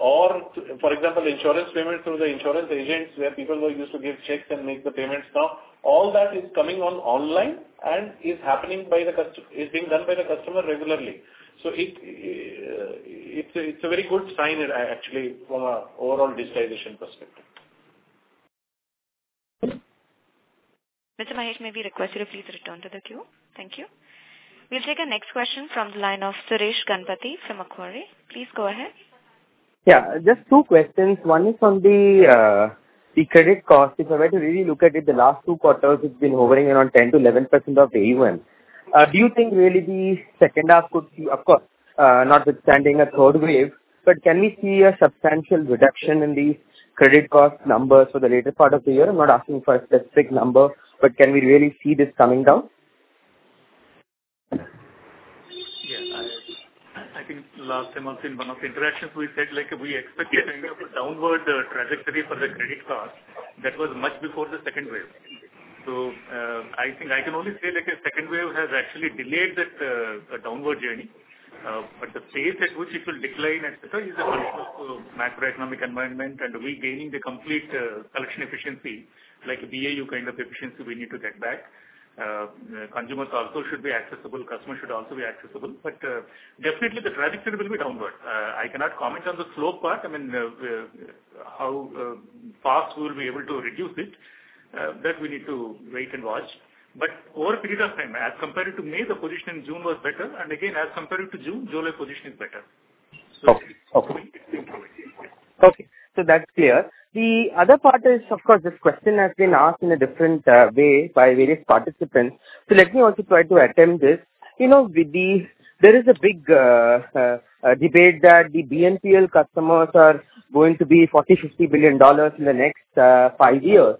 For example, insurance payments through the insurance agents where people used to give checks and make the payments. Now, all that is coming on online and is being done by the customer regularly. It's a very good sign actually from an overall digitization perspective. Mr. Mahesh, may we request you to please return to the queue? Thank you. We will take our next question from the line of Suresh Ganapathy from Macquarie. Please go ahead. Yeah. Just two questions. One is on the credit cost. If I were to really look at it, the last two quarters it's been hovering around 10%-11% of AUM. Do you think really the second half could see, notwithstanding a third wave, Can we see a substantial reduction in the credit cost numbers for the later part of the year? I'm not asking for a specific number, Can we really see this coming down? Yeah. I think last time also in one of the interactions, we said. Yes. a kind of a downward trajectory for the credit cost that was much before the second wave. I think I can only say, the second wave has actually delayed that downward journey. The pace at which it will decline et cetera, is a function of macroeconomic environment and regaining the complete collection efficiency. Like BAU kind of efficiency we need to get back. Consumers also should be accessible, customers should also be accessible. Definitely the trajectory will be downward. I cannot comment on the slope part. I mean, how fast we'll be able to reduce it, that we need to wait and watch. Over a period of time, as compared to May, the position in June was better, and again, as compared to June, July's position is better. Okay. It's improving, yes. Okay. That's clear. The other part is, of course, this question has been asked in a different way by various participants. Let me also try to attempt this. There is a big debate that the BNPL customers are going to be INR 40 billion-INR 50 billion in the next 5 years.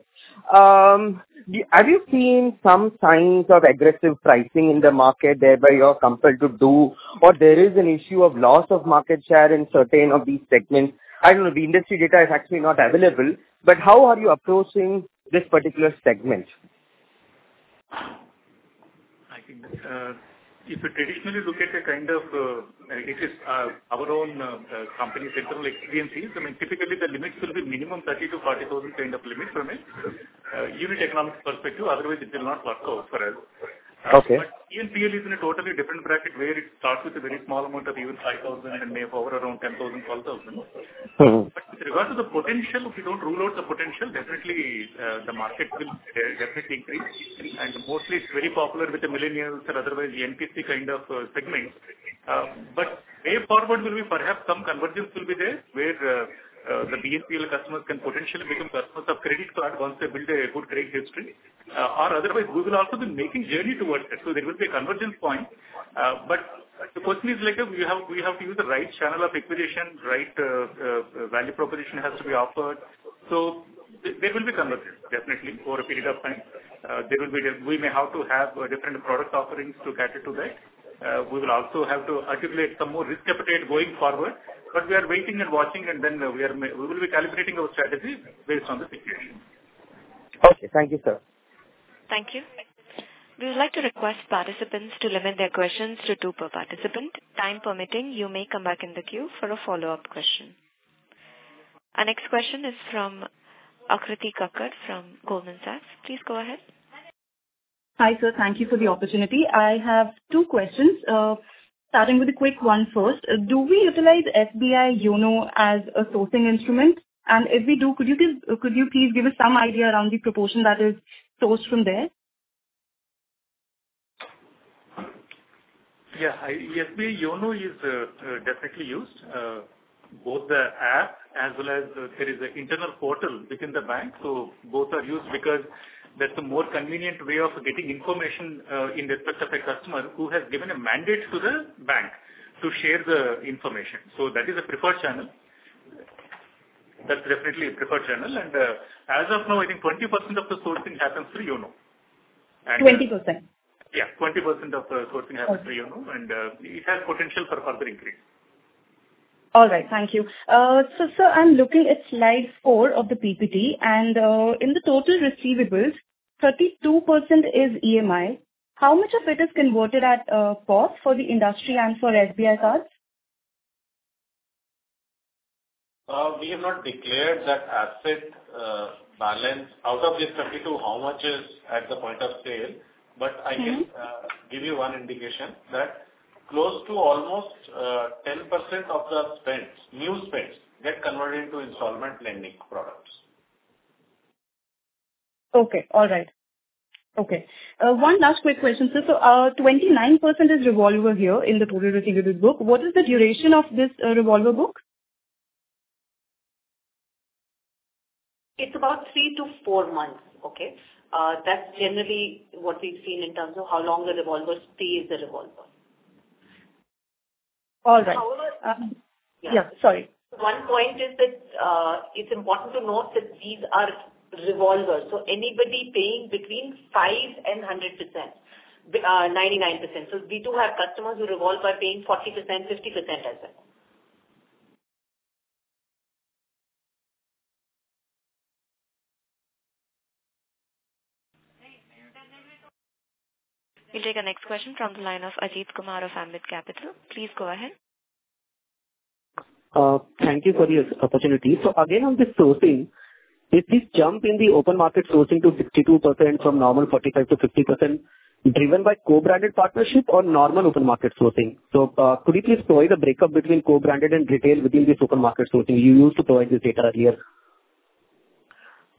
Have you seen some signs of aggressive pricing in the market, thereby you're compelled to do, or there is an issue of loss of market share in certain of these segments? I don't know, the industry data is actually not available, but how are you approaching this particular segment? If you traditionally look at our own company, Experian CIC, typically the limits will be minimum 30,000-40,000 kind of limits from a unit economics perspective. Otherwise, it will not work out for us. Okay. BNPL is in a totally different bracket where it starts with a very small amount of even 5,000 and may hover around 10,000, 12,000. With regard to the potential, if you don't rule out the potential, definitely the market will definitely increase. Mostly it's very popular with the millennials or otherwise the NPCI kind of segments. Way forward will be perhaps some convergence will be there where the BNPL customers can potentially become customers of credit card once they build a good credit history. Otherwise, we will also be making journey towards it, so there will be a convergence point. The question is, we have to use the right channel of acquisition, right value proposition has to be offered. There will be convergence, definitely, over a period of time. We may have to have different product offerings to cater to that. We will also have to articulate some more risk appetite going forward, but we are waiting and watching, and then we will be calibrating our strategy based on the situation. Okay. Thank you, sir. Thank you. We would like to request participants to limit their questions to two per participant. Time permitting, you may come back in the queue for a follow-up question. Our next question is from Aakriti Kakkar from Goldman Sachs. Please go ahead. Hi, sir. Thank you for the opportunity. I have two questions. Starting with a quick one first. Do we utilize YONO SBI as a sourcing instrument? If we do, could you please give us some idea around the proportion that is sourced from there? Yeah. YONO SBI is definitely used, both the app as well as there is an internal portal within the bank. Both are used because that's a more convenient way of getting information in respect of a customer who has given a mandate to the bank to share the information. That is a preferred channel. That's definitely a preferred channel, and as of now, I think 20% of the sourcing happens through YONO. 20%? Yeah, 20% of the sourcing happens through YONO. Okay. It has potential for further increase. All right, thank you. Sir, I'm looking at slide 4 of the PPT, and in the total receivables, 32% is EMI. How much of it is converted at POS for the industry and for SBI Cards? We have not declared that asset balance out of this 32, how much is at the point of sale. I can give you one indication, that close to almost 10% of the new spends get converted into installment lending products. Okay. All right. One last quick question, sir. 29% is revolver here in the total receivables book. What is the duration of this revolver book? It's about 3-4 months. Okay? That's generally what we've seen in terms of how long the revolver stays a revolver. All right. However- Yeah. Sorry. One point is that it's important to note that these are revolvers. Anybody paying between 5% and 100%, 99%. We do have customers who revolve by paying 40%, 50% as well. We'll take our next question from the line of Ajit Kumar of Ambit Capital. Please go ahead. Thank you for the opportunity. Again, on this sourcing, this jump in the open market sourcing to 62% from normal 45%-50% driven by co-branded partnership or normal open market sourcing. Could you please provide a breakup between co-branded and retail within this open market sourcing? You used to provide this data earlier.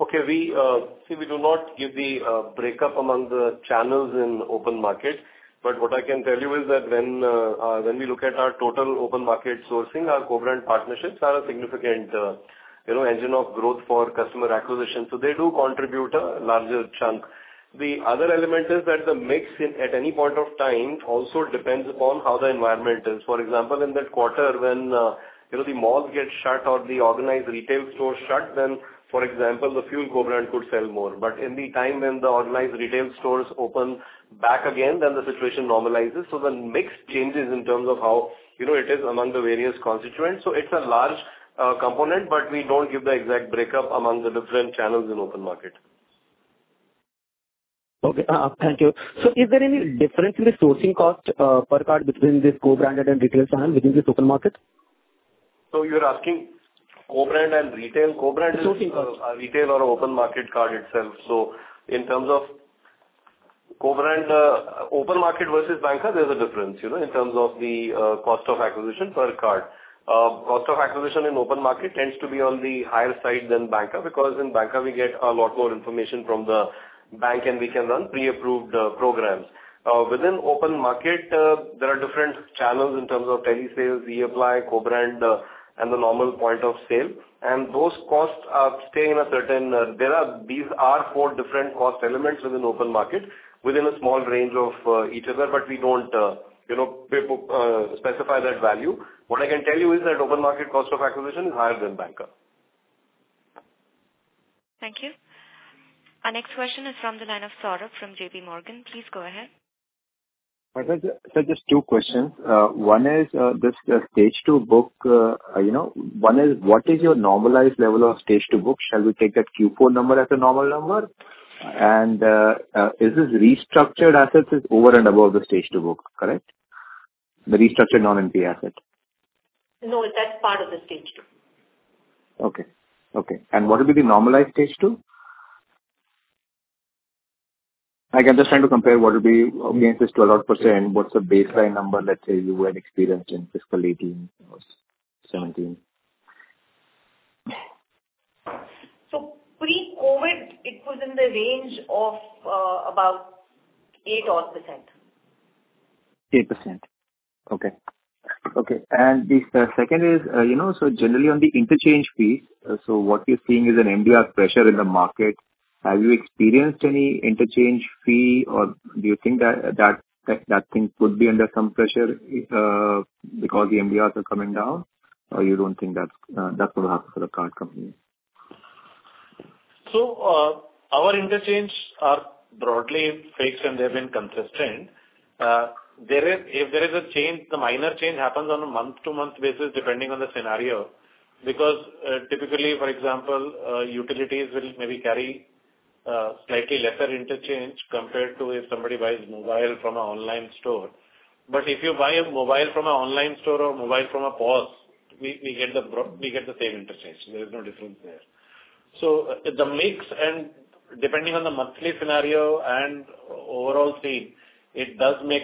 Okay. We do not give the breakup among the channels in open market. What I can tell you is that when we look at our total open market sourcing, our co-brand partnerships are a significant engine of growth for customer acquisition. They do contribute a larger chunk. The other element is that the mix at any point of time also depends upon how the environment is. For example, in that quarter when the malls get shut or the organized retail stores shut, then, for example, the fuel co-brand could sell more. In the time when the organized retail stores open back again, then the situation normalizes. The mix changes in terms of how it is among the various constituents. It's a large component, but we don't give the exact breakup among the different channels in open market. Okay. Thank you. Is there any difference in the sourcing cost per card between this co-branded and retail side within this open market? You're asking co-brand and retail? Sourcing cost. a retail or open market card itself. In terms of open market versus banker, there's a difference in terms of the cost of acquisition per card. Cost of acquisition in open market tends to be on the higher side than banker, because in banker, we get a lot more information from the bank, and we can run pre-approved programs. Within open market, there are different channels in terms of telesales, we apply co-brand and the normal point of sale. These are four different cost elements within open market, within a small range of each other, but we don't specify that value. What I can tell you is that open market cost of acquisition is higher than banker. Thank you. Our next question is from the line of Saurabh from JP Morgan. Please go ahead. Sir, just two questions. One is this stage two book. One is, what is your normalized level of stage two book? Shall we take that Q4 number as a normal number? Is this restructured assets is over and above the stage two book, correct? The restructured non-NPA asset. No. That's part of the stage two. Okay. What will be the normalized stage 2? I'm just trying to compare what will be against this 12%, what's the baseline number, let's say you had experienced in FY 2018 or FY 2017. Pre-COVID, it was in the range of about 8 odd%. 8%. Okay. The second is, generally on the interchange fees, what we're seeing is an MDR pressure in the market. Have you experienced any interchange fee, or do you think that thing could be under some pressure because the MDRs are coming down, or you don't think that's what happens for the card companies? Our interchange are broadly fixed, and they've been consistent. If there is a change, the minor change happens on a month-to-month basis, depending on the scenario. Because typically, for example, utilities will maybe carry slightly lesser interchange compared to if somebody buys mobile from an online store. If you buy a mobile from an online store or mobile from a POS, we get the same interchange. There is no difference there. The mix and depending on the monthly scenario and overall fee, it does make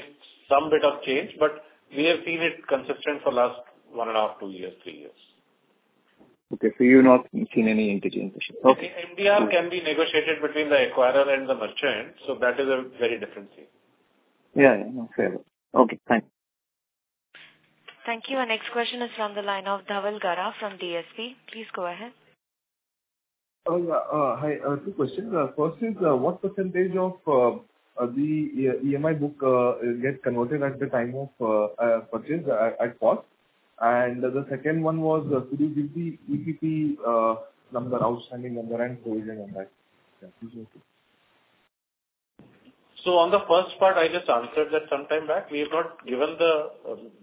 some bit of change, but we have seen it consistent for last 1.5, two years, three years. Okay, you've not seen any interchange issue. Okay. MDR can be negotiated between the acquirer and the merchant, so that is a very different thing. Yeah. Okay. Thanks. Thank you. Our next question is from the line of Dhaval Gada from DSP. Please go ahead. Hi. Two questions. First is, what percentage of the EMI book gets converted at the time of purchase at POS? The second one was EPP outstanding number and provision on that. Thank you. On the first part, I just answered that some time back. We have not given the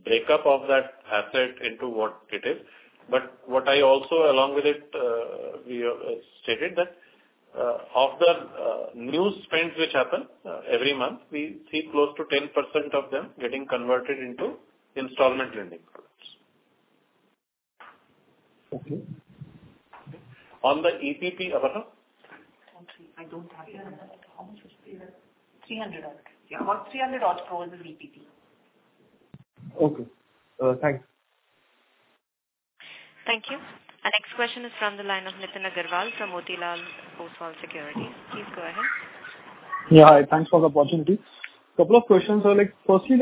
breakup of that asset into what it is. What I also along with it, we have stated that of the new spends which happen every month, we see close to 10% of them getting converted into installment lending products. Okay. On the EPP, Aparna? Sorry, I don't have it. How much was it? 300 odd. Yeah. About 300 odd crores is EPP. Okay. Thanks. Thank you. Our next question is from the line of Nitin Aggarwal from Motilal Oswal Securities. Please go ahead. Yeah. Hi. Thanks for the opportunity. Couple of questions. Firstly,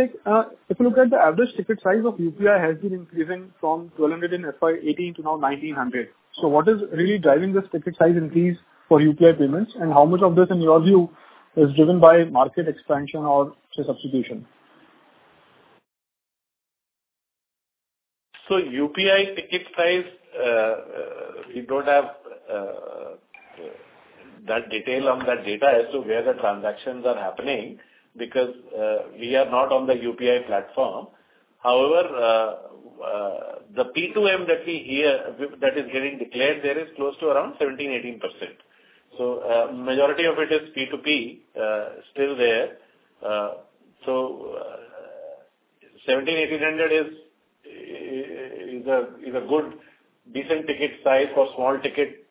if you look at the average ticket size of UPI has been increasing from 1,200 in FY 2018 to now 1,900. What is really driving this ticket size increase for UPI payments, and how much of this, in your view, is driven by market expansion or say substitution? UPI ticket size, we don't have that detail on that data as to where the transactions are happening because, we are not on the UPI platform. The P2M that is getting declared there is close to around 17%-18%. Majority of it is P2P still there. 1,700-1,800 is a good, decent ticket size for small ticket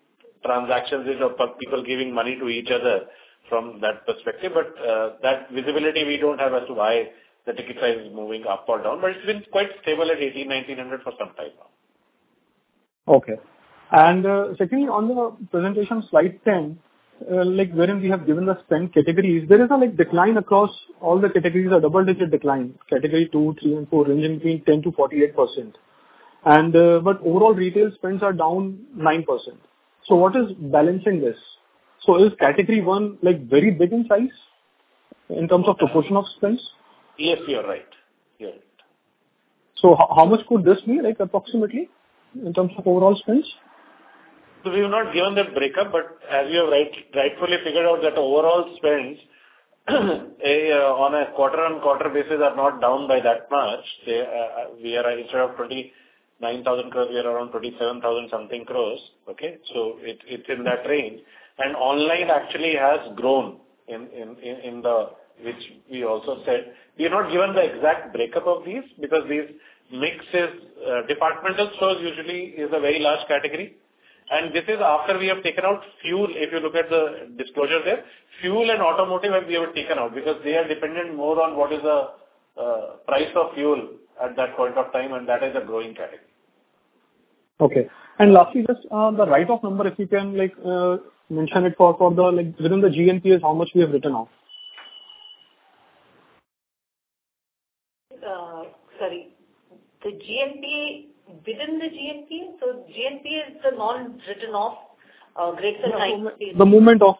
transactions of people giving money to each other. From that perspective, but that visibility we don't have as to why the ticket size is moving up or down, but it's been quite stable at 1,800-1,900 for some time now. Okay. Secondly, on the presentation slide 10, wherein we have given the spend categories, there is a decline across all the categories, a double-digit decline. Category 2, 3, and 4 range between 10%-48%. Overall retail spends are down 9%. What is balancing this? Is category 1 very big in size in terms of proportion of spends? Yes, you're right. How much could this be approximately in terms of overall spends? We have not given that breakup, but as you have rightfully figured out that overall spends on a quarter-on-quarter basis are not down by that much. Instead of 29,000 crore, we are around 27,000 something crore. Okay. It's in that range. Online actually has grown, which we also said. We have not given the exact breakup of these because departmental stores usually is a very large category, and this is after we have taken out fuel, if you look at the disclosure there. Fuel and automotive we have taken out because they are dependent more on what is the price of fuel at that point of time, and that is a growing category. Okay. Lastly, just on the write-off number, if you can mention it within the GNPAs, how much we have written off? Sorry. Within the GNPA? GNPA is the non-written off greater than 90 days. The movement of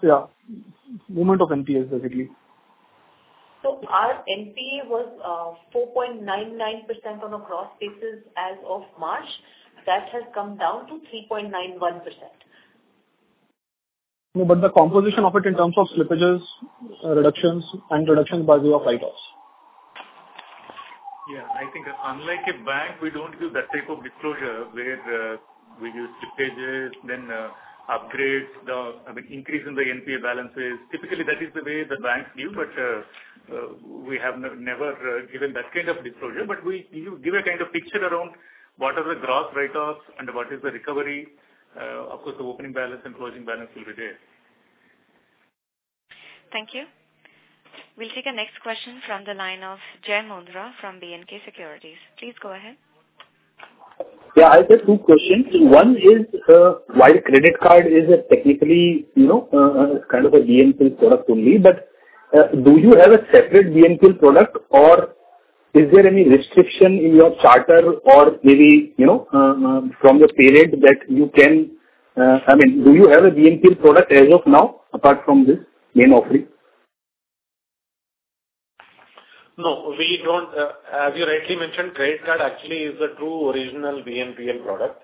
NPAs, basically. Our NPA was 4.99% on a gross basis as of March. That has come down to 3.91%. No, the composition of it in terms of slippages and reductions by way of write-offs. I think unlike a bank, we don't do that type of disclosure where we do slippages, then upgrades, the increase in the NPA balances. Typically, that is the way the banks do, but we have never given that kind of disclosure. We give a kind of picture around what are the gross write-offs and what is the recovery. Of course, the opening balance and closing balance will be there. Thank you. We'll take the next question from the line of Jai Mundhra from B&K Securities. Please go ahead. Yeah. I have just two questions. One is, while credit card is technically kind of a BNPL product only, but do you have a separate BNPL product or is there any restriction in your charter? Do you have a BNPL product as of now apart from this main offering? No, we don't. As you rightly mentioned, credit card actually is a true original BNPL product.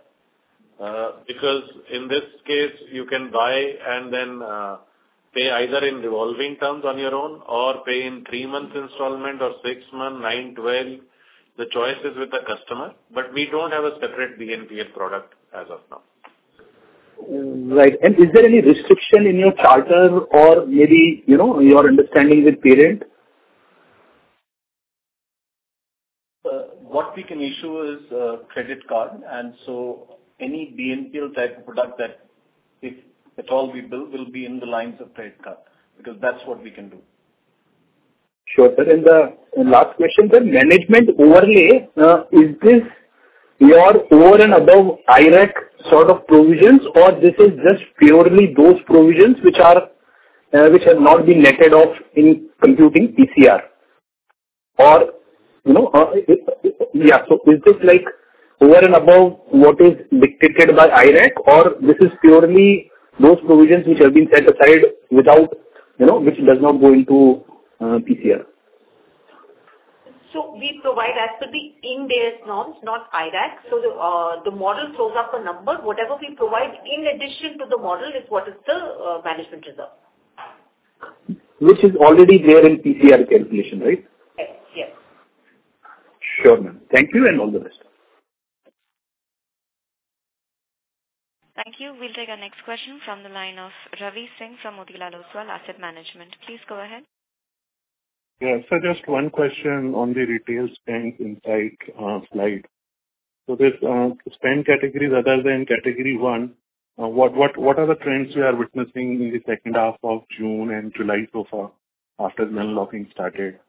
In this case, you can buy and then pay either in revolving terms on your own or pay in three months installment or six months, 9, 12. The choice is with the customer, we don't have a separate BNPL product as of now. Right. Is there any restriction in your charter or maybe your understanding with period? What we can issue is a credit card, and so any BNPL type of product that if at all we build will be in the lines of credit card, because that's what we can do. Sure, sir. Last question, sir. Management overlay, is this your over and above IRAC sort of provisions, or this is just purely those provisions which have not been netted off in computing PCR? Is this over and above what is dictated by IRAC, or this is purely those provisions which have been set aside which does not go into PCR? We provide as per the Ind AS norms, not IRAC. The model throws up a number. Whatever we provide in addition to the model is what is the management reserve. Which is already there in PCR calculation, right? Yes. Sure, ma'am. Thank you and all the best. Thank you. We'll take our next question from the line of Ravi Singh from Motilal Oswal Asset Management. Please go ahead. Yeah, sir, just one question on the retail spend insight slide. These spend categories other than category 1, what are the trends you are witnessing in the second half of June and July so far after the unlocking started?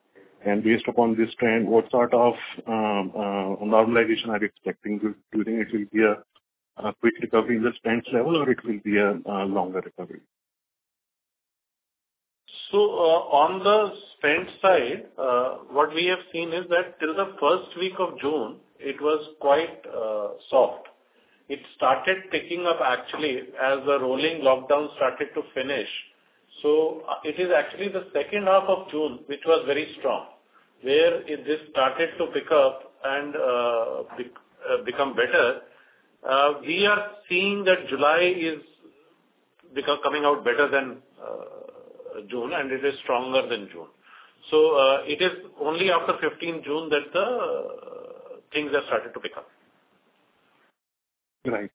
Based upon this trend, what sort of normalization are you expecting? Do you think it will be a quick recovery in the spends level or it will be a longer recovery? On the spend side, what we have seen is that till the first week of June, it was quite soft. It started picking up actually as the rolling lockdown started to finish. It is actually the second half of June, which was very strong, where this started to pick up and become better. We are seeing that July is coming out better than June, and it is stronger than June. It is only after 15th June that the things have started to pick up. Right.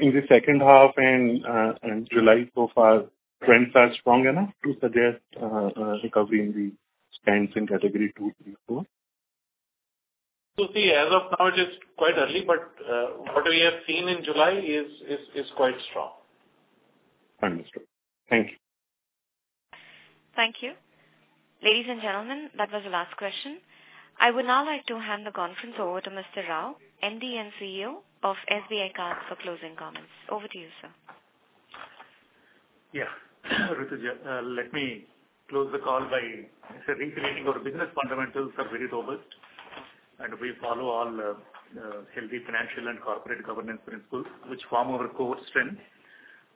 In the second half and July so far, trends are strong enough to suggest a recovery in the spends in category 2, 3, 4? See, as of now, it is quite early, but what we have seen in July is quite strong. Understood. Thank you. Thank you. Ladies and gentlemen, that was the last question. I would now like to hand the conference over to Mr. Rao, MD and CEO of SBI Cards for closing comments. Over to you, sir. Rutuja, let me close the call by reiterating our business fundamentals are very robust. We follow all healthy financial and corporate governance principles, which form our core strength.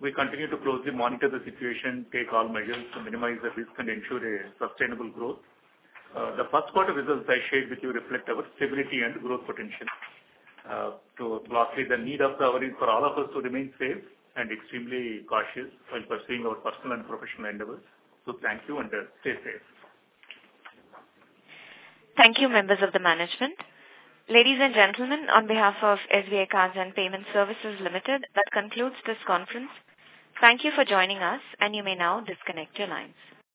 We continue to closely monitor the situation, take all measures to minimize the risk, and ensure a sustainable growth. The 1st quarter results I shared with you reflect our stability and growth potential. To lastly, the need of the hour is for all of us to remain safe and extremely cautious while pursuing our personal and professional endeavors. Thank you, and stay safe. Thank you, members of the management. Ladies and gentlemen, on behalf of SBI Cards and Payment Services Limited, that concludes this conference. Thank you for joining us, and you may now disconnect your lines.